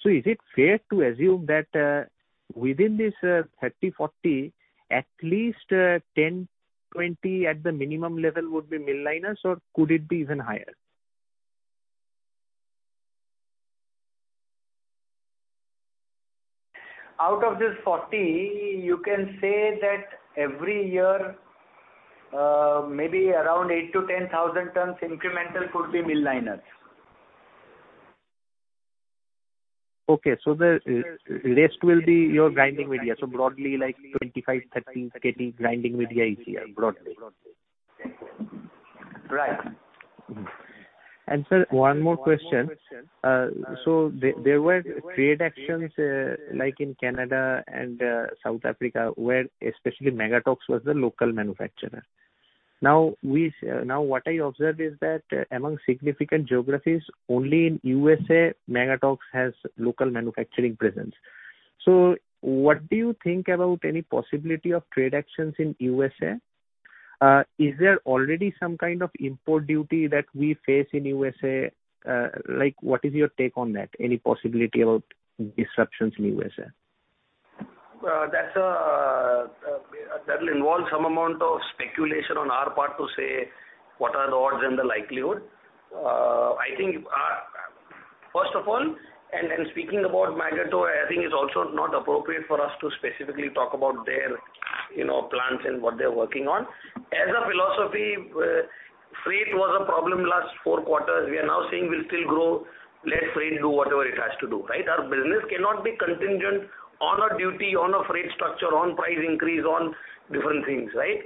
Is it fair to assume that, within this, 30-40, at least 10-20 at the minimum level would be mill liners, or could it be even higher? Out of this 40, you can say that every year, maybe around 8,000-10,000 tons incremental could be mill liners. Okay. The rest will be your grinding media. Broadly like 25-30 KT grinding media each year, broadly. Right. Sir, one more question. There were trade actions, like in Canada and South Africa, where especially Magotteaux was the local manufacturer. Now, what I observed is that among significant geographies, only in USA, Magotteaux has local manufacturing presence. What do you think about any possibility of trade actions in USA? Is there already some kind of import duty that we face in USA? Like, what is your take on that? Any possibility about disruptions in USA? That will involve some amount of speculation on our part to say what are the odds and the likelihood. I think first of all, speaking about Magotteaux, I think it's also not appropriate for us to specifically talk about their, you know, plans and what they're working on. As a philosophy, freight was a problem last four quarters. We are now saying we'll still grow. Let freight do whatever it has to do, right? Our business cannot be contingent on a duty, on a freight structure, on price increase, on different things, right?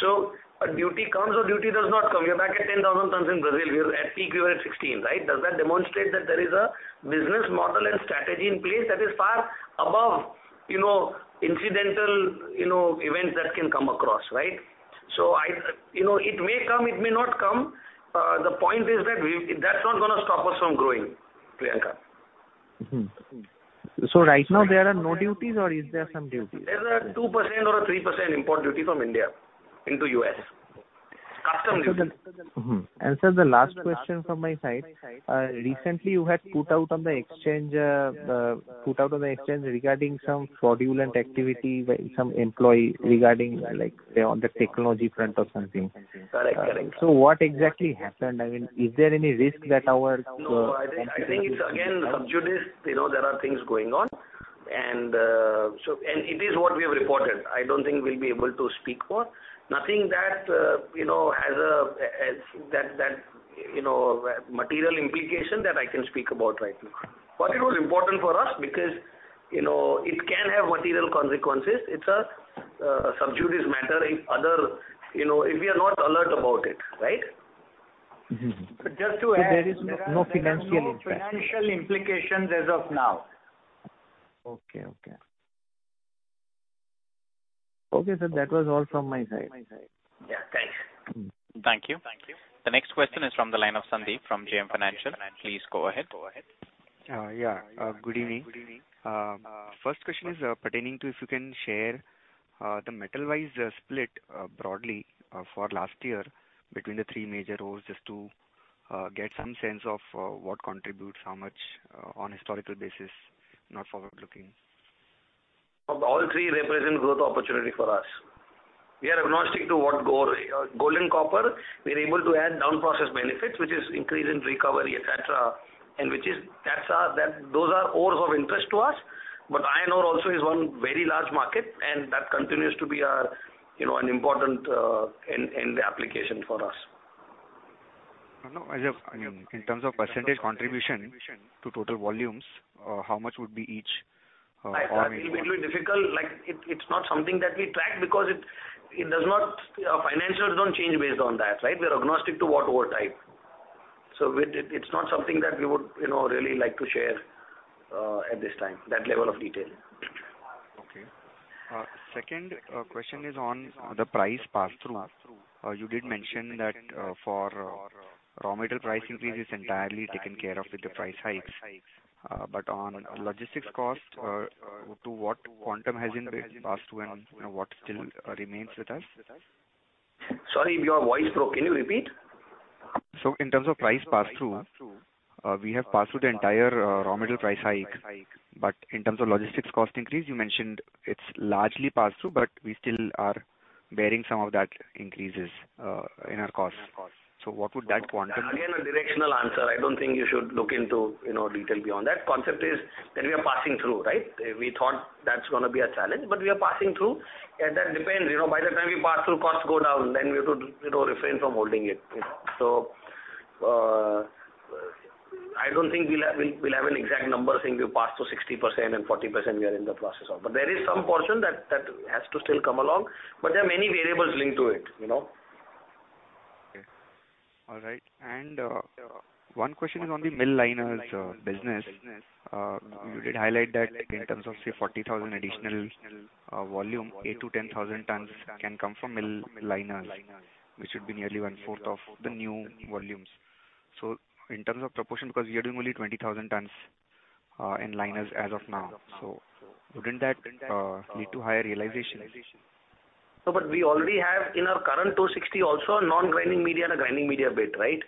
So a duty comes or duty does not come. We're back at 10,000 tons in Brazil. We're at peak, we were at 16, right? Does that demonstrate that there is a business model and strategy in place that is far above, you know, incidental, you know, events that can come across, right? I, you know, it may come, it may not come. The point is that that's not gonna stop us from growing, Priyanka. Right now there are no duties, or is there some duties? There's a 2% or a 3% import duty from India into U.S. Customs duty. Sir, the last question from my side. Recently you had put out on the exchange regarding some fraudulent activity by some employee regarding like say on the technology front or something. Correct. What exactly happened? I mean, is there any risk that our- No, I think it's again sub judice. You know, there are things going on and it is what we have reported. I don't think we'll be able to speak more. Nothing that you know has that material implication that I can speak about right now. But it was important for us because you know it can have material consequences. It's a sub judice matter if other you know if we are not alert about it, right? Mm-hmm. Just to add. There is no financial impact. There are no financial implications as of now. Okay, sir, that was all from my side. Yeah. Thanks. Mm-hmm. Thank you. The next question is from the line of Sandeep from JM Financial. Please go ahead. Yeah. Good evening. First question is pertaining to if you can share the metal-wise split, broadly, for last year between the three major ores, just to get some sense of what contributes how much, on historical basis, not forward-looking. All three represent growth opportunity for us. We are agnostic to gold and copper, we're able to add down process benefits, which is increase in recovery, etc. Which is, that's our, those are ores of interest to us. Iron ore also is one very large market, and that continues to be our, you know, an important end application for us. No, I mean, in terms of % contribution to total volumes, how much would be each? Or It's a little bit difficult. Like, it's not something that we track because it does not, financials don't change based on that, right? We are agnostic to what ore type. So it's not something that we would, you know, really like to share, at this time, that level of detail. Okay. Second, question is on the price pass-through. You did mention that, for raw material price increase is entirely taken care of with the price hikes. But on logistics costs, to what quantum has been passed through and, you know, what still remains with us? Sorry, your voice broke. Can you repeat? In terms of price pass-through, we have passed through the entire, raw material price hike, but in terms of logistics cost increase, you mentioned it's largely passed through, but we still are bearing some of that increases, in our costs. What would that quantum be? Again, a directional answer. I don't think you should look into, you know, detail beyond that. Concept is that we are passing through, right? We thought that's gonna be a challenge, but we are passing through. That depends, you know. By the time you pass through, costs go down, then we have to, you know, refrain from holding it. I don't think we'll have an exact number saying we passed through 60% and 40% we are in the process of. There is some portion that has to still come along. There are many variables linked to it, you know. Okay. All right. One question is on the mill liners business. You did highlight that in terms of, say, 40,000 additional volume, 8,000-10,000 tons can come from mill liners, which would be nearly one-fourth of the new volumes. In terms of proportion, because we are doing only 20,000 tons in liners as of now. Wouldn't that lead to higher realization? No, we already have in our current 260 also a non-grinding media and a grinding media bit, right?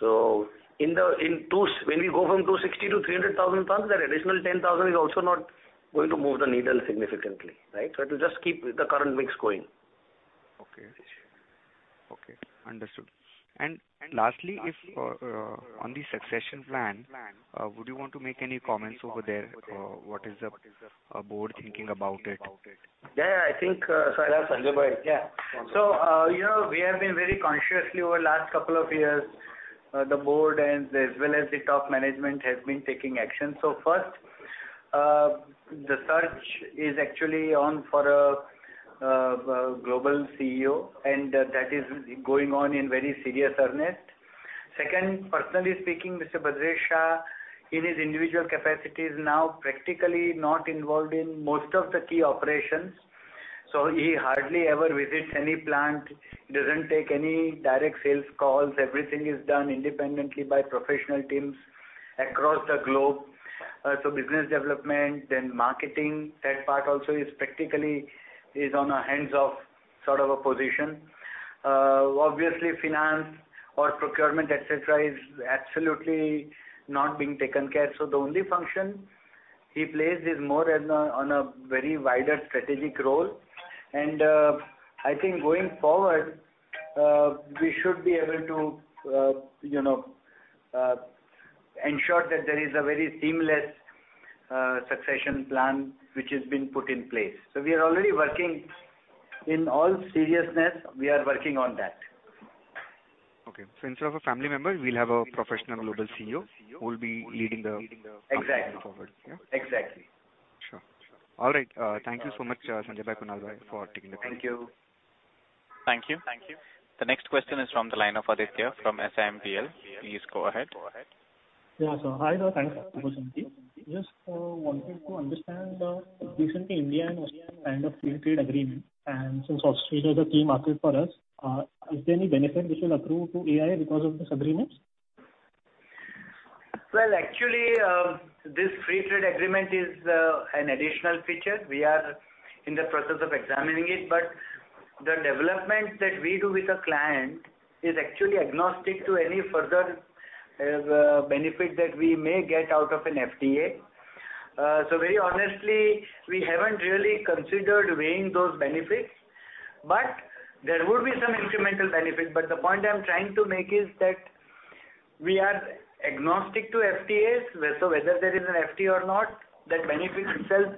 When we go from 260 to 300,000 tons, that additional 10,000 is also not going to move the needle significantly, right? It will just keep the current mix going. Okay. Understood. Lastly, if on the succession plan, would you want to make any comments over there? What is the board thinking about it? Yeah, I think, Sanjay bhai. Yeah. You know, we have been very consciously over the last couple of years, the board and as well as the top management has been taking action. First, the search is actually on for a global CEO, and that is going on in very serious earnest. Second, personally speaking, Mr. Bhadresh Shah, in his individual capacity, is now practically not involved in most of the key operations. He hardly ever visits any plant, doesn't take any direct sales calls. Everything is done independently by professional teams across the globe. Business development, then marketing, that part also is practically on a hands-off sort of a position. Obviously finance or procurement, et cetera, is absolutely not being taken care. The only function he plays is more on a very wider strategic role. I think going forward, we should be able to, you know, ensure that there is a very seamless, succession plan which has been put in place. We are already working. In all seriousness, we are working on that. Okay. Instead of a family member, we'll have a professional global CEO who will be leading the company going forward. Exactly. Exactly. Sure. All right. Thank you so much, Sanjay bhai, Kunal bhai, for taking the time. Thank you. Thank you. Thank you. The next question is from the line of Aditya from SMIFS. Please go ahead. Yeah, sir. Hi there. Thanks for the opportunity. Just wanting to understand, recently India and Australia signed a free trade agreement, and since Australia is a key market for us, is there any benefit which will accrue to AIA because of this agreement? Well, actually, this free trade agreement is an additional feature. We are in the process of examining it, but the development that we do with a client is actually agnostic to any further benefit that we may get out of an FTA. Very honestly, we haven't really considered weighing those benefits, but there will be some incremental benefit. The point I'm trying to make is that we are agnostic to FTAs. Whether there is an FTA or not, that benefit itself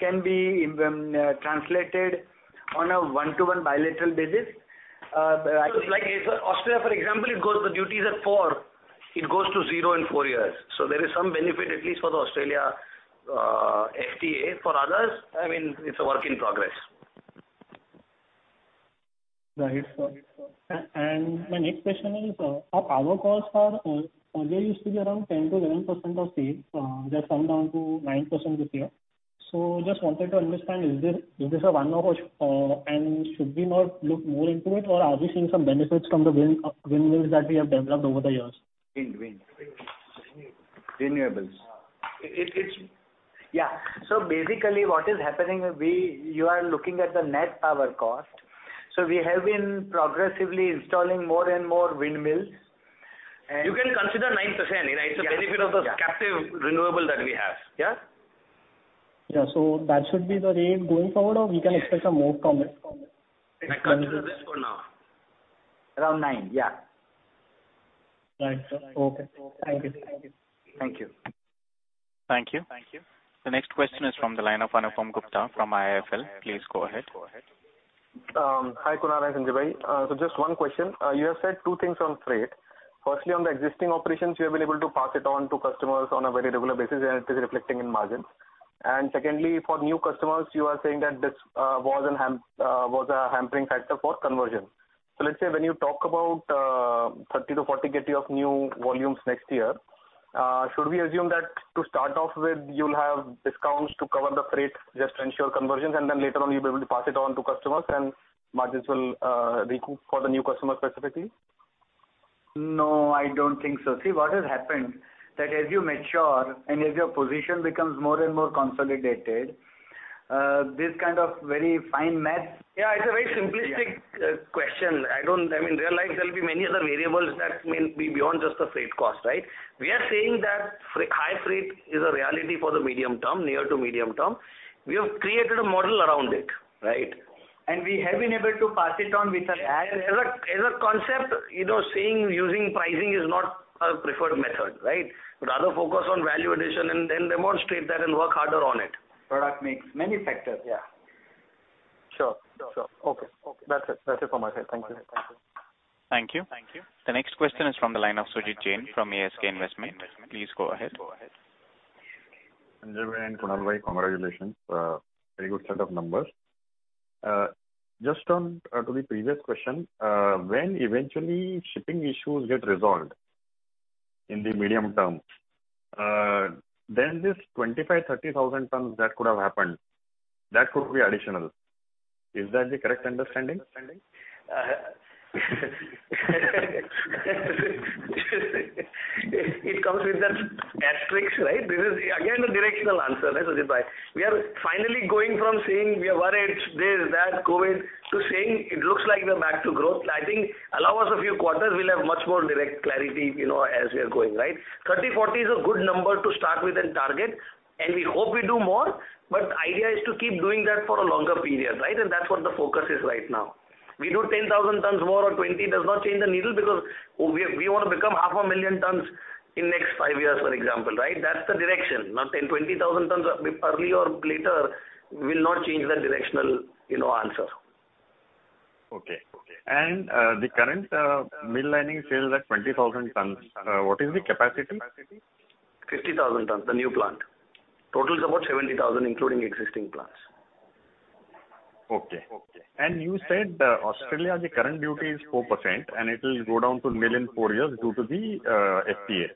can be translated on a one-to-one bilateral basis. I think- Like if Australia, for example, it goes, the duties are 4, it goes to zero in 4 years. There is some benefit at least for the Australia FTA. For others, I mean, it's a work in progress. My next question is, our power costs are earlier used to be around 10%-11% of sales. They have come down to 9% this year. Just wanted to understand, is this a one-off, and should we not look more into it, or are we seeing some benefits from the windmills that we have developed over the years? Wind. Renewables. It, it's- Yeah. Basically what is happening, you are looking at the net power cost. We have been progressively installing more and more windmills. You can consider 9% only, right? Yeah. Yeah. It's a benefit of the captive renewable that we have. Yeah. Yeah. That should be the rate going forward, or we can expect some more comment? I consider this for now. Around nine, yeah. Right. Okay. Thank you. Thank you. Thank you. The next question is from the line of Anupam Gupta from IIFL. Please go ahead. Hi, Kunal and Sanjay bhai. Just one question. You have said two things on freight. Firstly, on the existing operations, you have been able to pass it on to customers on a very regular basis, and it is reflecting in margins. Secondly, for new customers, you are saying that this was a hampering factor for conversion. Let's say when you talk about 30-40 KTI of new volumes next year, should we assume that to start off with, you'll have discounts to cover the freight just to ensure conversions, and then later on you'll be able to pass it on to customers and margins will recoup for the new customer specifically? No, I don't think so. See, what has happened, that as you mature, and as your position becomes more and more consolidated, this kind of very finmath- Yeah, it's a very simplistic. I mean, realize there'll be many other variables that may be beyond just the freight cost, right? We are saying that freak-high freight is a reality for the medium term, near to medium term. We have created a model around it, right? We have been able to pass it on with an ad- As a concept, you know, saying using pricing is not our preferred method, right? Rather, focus on value addition and then demonstrate that and work harder on it. Product mix, many factors, yeah. Sure. Okay. That's it from my side. Thank you. Thank you. The next question is from the line of Sujit Jain from ASK Investment Managers. Please go ahead. Sanjay and Kunal, congratulations. Very good set of numbers. Just on to the previous question, when eventually shipping issues get resolved in the medium term, then this 25,000-30,000 tons that could have happened, that could be additional. Is that the correct understanding? It comes with that asterisk, right? This is again a directional answer, right, Sujit Jain. We are finally going from saying we are worried this, that, COVID, to saying it looks like we're back to growth. I think allow us a few quarters, we'll have much more direct clarity, you know, as we are going, right? 30, 40 is a good number to start with and target, and we hope we do more. The idea is to keep doing that for a longer period, right? That's what the focus is right now. We do 10,000 tons more or 20 does not change the needle because we wanna become 500,000 tons in next 5 years, for example, right? That's the direction. Now, 10, 20 thousand tons early or later will not change the directional, you know, answer. Okay. The current mill linings sales at 20,000 tons, what is the capacity? 50,000 tons, the new plant. Total is about 70,000 including existing plants. Okay. You said, Australia, the current duty is 4%, and it will go down to nil in four years due to the FTA.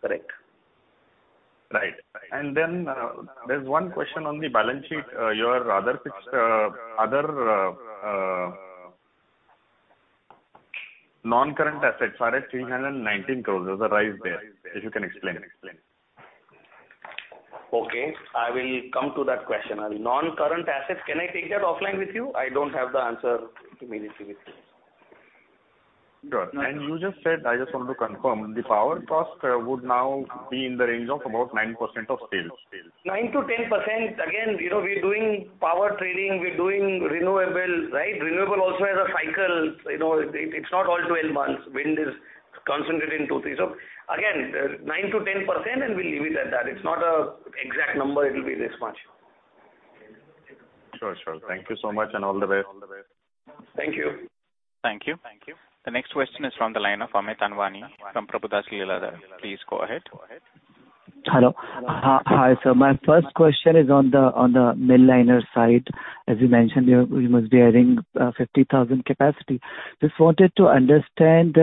Correct. Right. There's one question on the balance sheet. Your other non-current assets are at 319 crore. There's a rise there. If you can explain. Okay, I will come to that question. Non-current assets, can I take that offline with you? I don't have the answer immediately with me. Sure. You just said, I just want to confirm, the power cost would now be in the range of about 9% of sales. 9%-10%. Again, you know, we're doing power trading, we're doing renewable, right? Renewable also has a cycle. You know, it's not all 12 months. Wind is concentrated in 2, 3. Again, 9%-10%, and we'll leave it at that. It's not an exact number, it'll be this much. Sure, sure. Thank you so much and all the best. Thank you. Thank you. The next question is from the line of Amit Anwani from Prabhudas Lilladher. Please go ahead. Hello. Hi, sir. My first question is on the mill liner side. As you mentioned, you must be adding 50,000 capacity. Just wanted to understand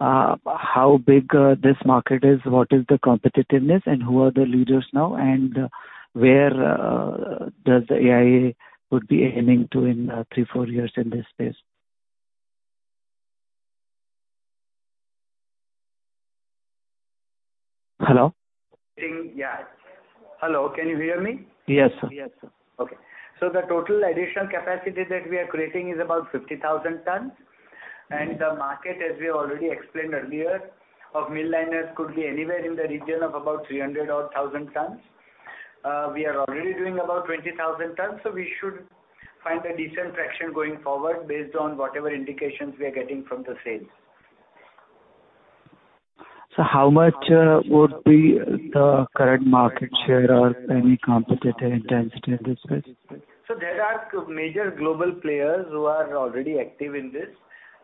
how big this market is, what is the competitiveness, and who are the leaders now, and where does AIA would be aiming to in three, four years in this space? Hello? Yeah. Hello, can you hear me? Yes. Okay. The total additional capacity that we are creating is about 50,000 tons. The market, as we already explained earlier, of mill liners could be anywhere in the region of about 300 or 1,000 tons. We are already doing about 20,000 tons, so we should find a decent traction going forward based on whatever indications we are getting from the sales. How much would be the current market share or any competitive intensity in this space? There are major global players who are already active in this.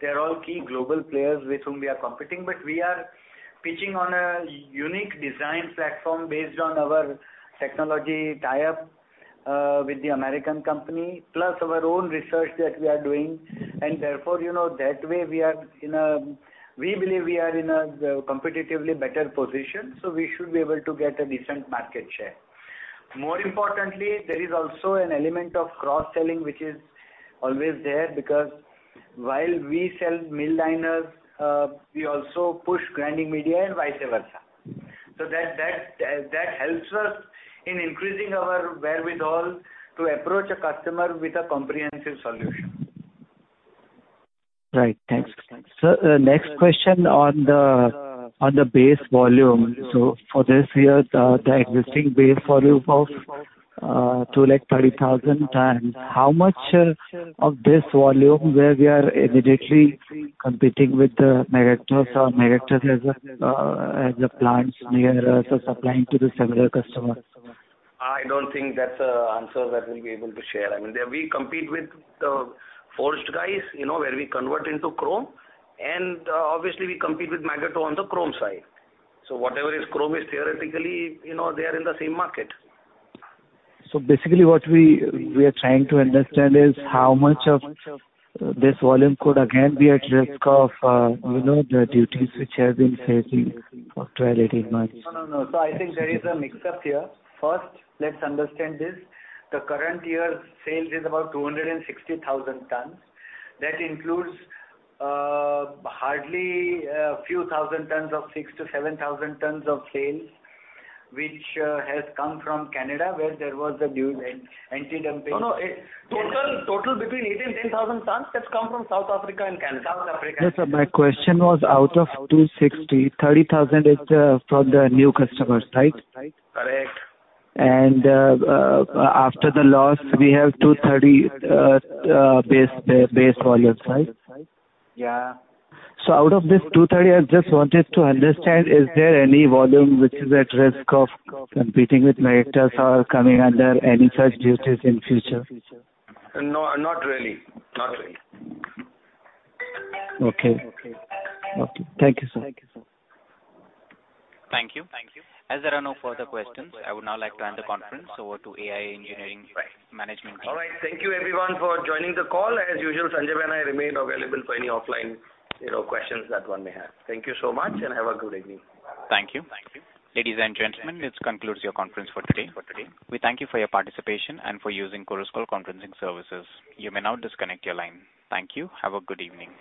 They are all key global players with whom we are competing, but we are pitching on a unique design platform based on our technology tie-up with the American company, plus our own research that we are doing. Therefore, you know, that way we believe we are in a competitively better position, so we should be able to get a decent market share. More importantly, there is also an element of cross-selling, which is always there because while we sell mill liners, we also push grinding media and vice versa. That helps us in increasing our wherewithal to approach a customer with a comprehensive solution. Right. Thanks. The next question on the base volume. For this year, the existing base volume of 230,000 tons, how much of this volume where we are immediately competing with Magotteaux as a plant near us or supplying to the similar customer? I don't think that's an answer that we'll be able to share. I mean, we compete with the forged guys, you know, where we convert into chrome. Obviously, we compete with Magotteaux on the chrome side. Whatever is chrome is theoretically, you know, they are in the same market. Basically what we are trying to understand is how much of this volume could again be at risk of, you know, the duties which we have been facing for 12-18 months. No. I think there is a mix-up here. First, let's understand this. The current year's sales is about 260,000 tons. That includes hardly a few thousand tons of 6,000-7,000 tons of sales, which has come from Canada, where there was an anti-dumping. No. Total between 8,000 and 10,000 tons that's come from South Africa and Canada. South Africa. Yes, sir. My question was out of 260, 30,000 is from the new customers, right? Correct. After the loss, we have 230 base volume, right? Yeah. Out of this 230, I just wanted to understand, is there any volume which is at risk of competing with Magotteaux or coming under any such duties in future? No, not really. Not really. Okay. Thank you, sir. Thank you. As there are no further questions, I would now like to end the conference. Over to AIA Engineering management team. All right. Thank you everyone for joining the call. As usual, Sanjay and I remain available for any offline, you know, questions that one may have. Thank you so much, and have a good evening. Thank you. Ladies and gentlemen, this concludes your conference for today. We thank you for your participation and for using Chorus Call conferencing services. You may now disconnect your line. Thank you. Have a good evening.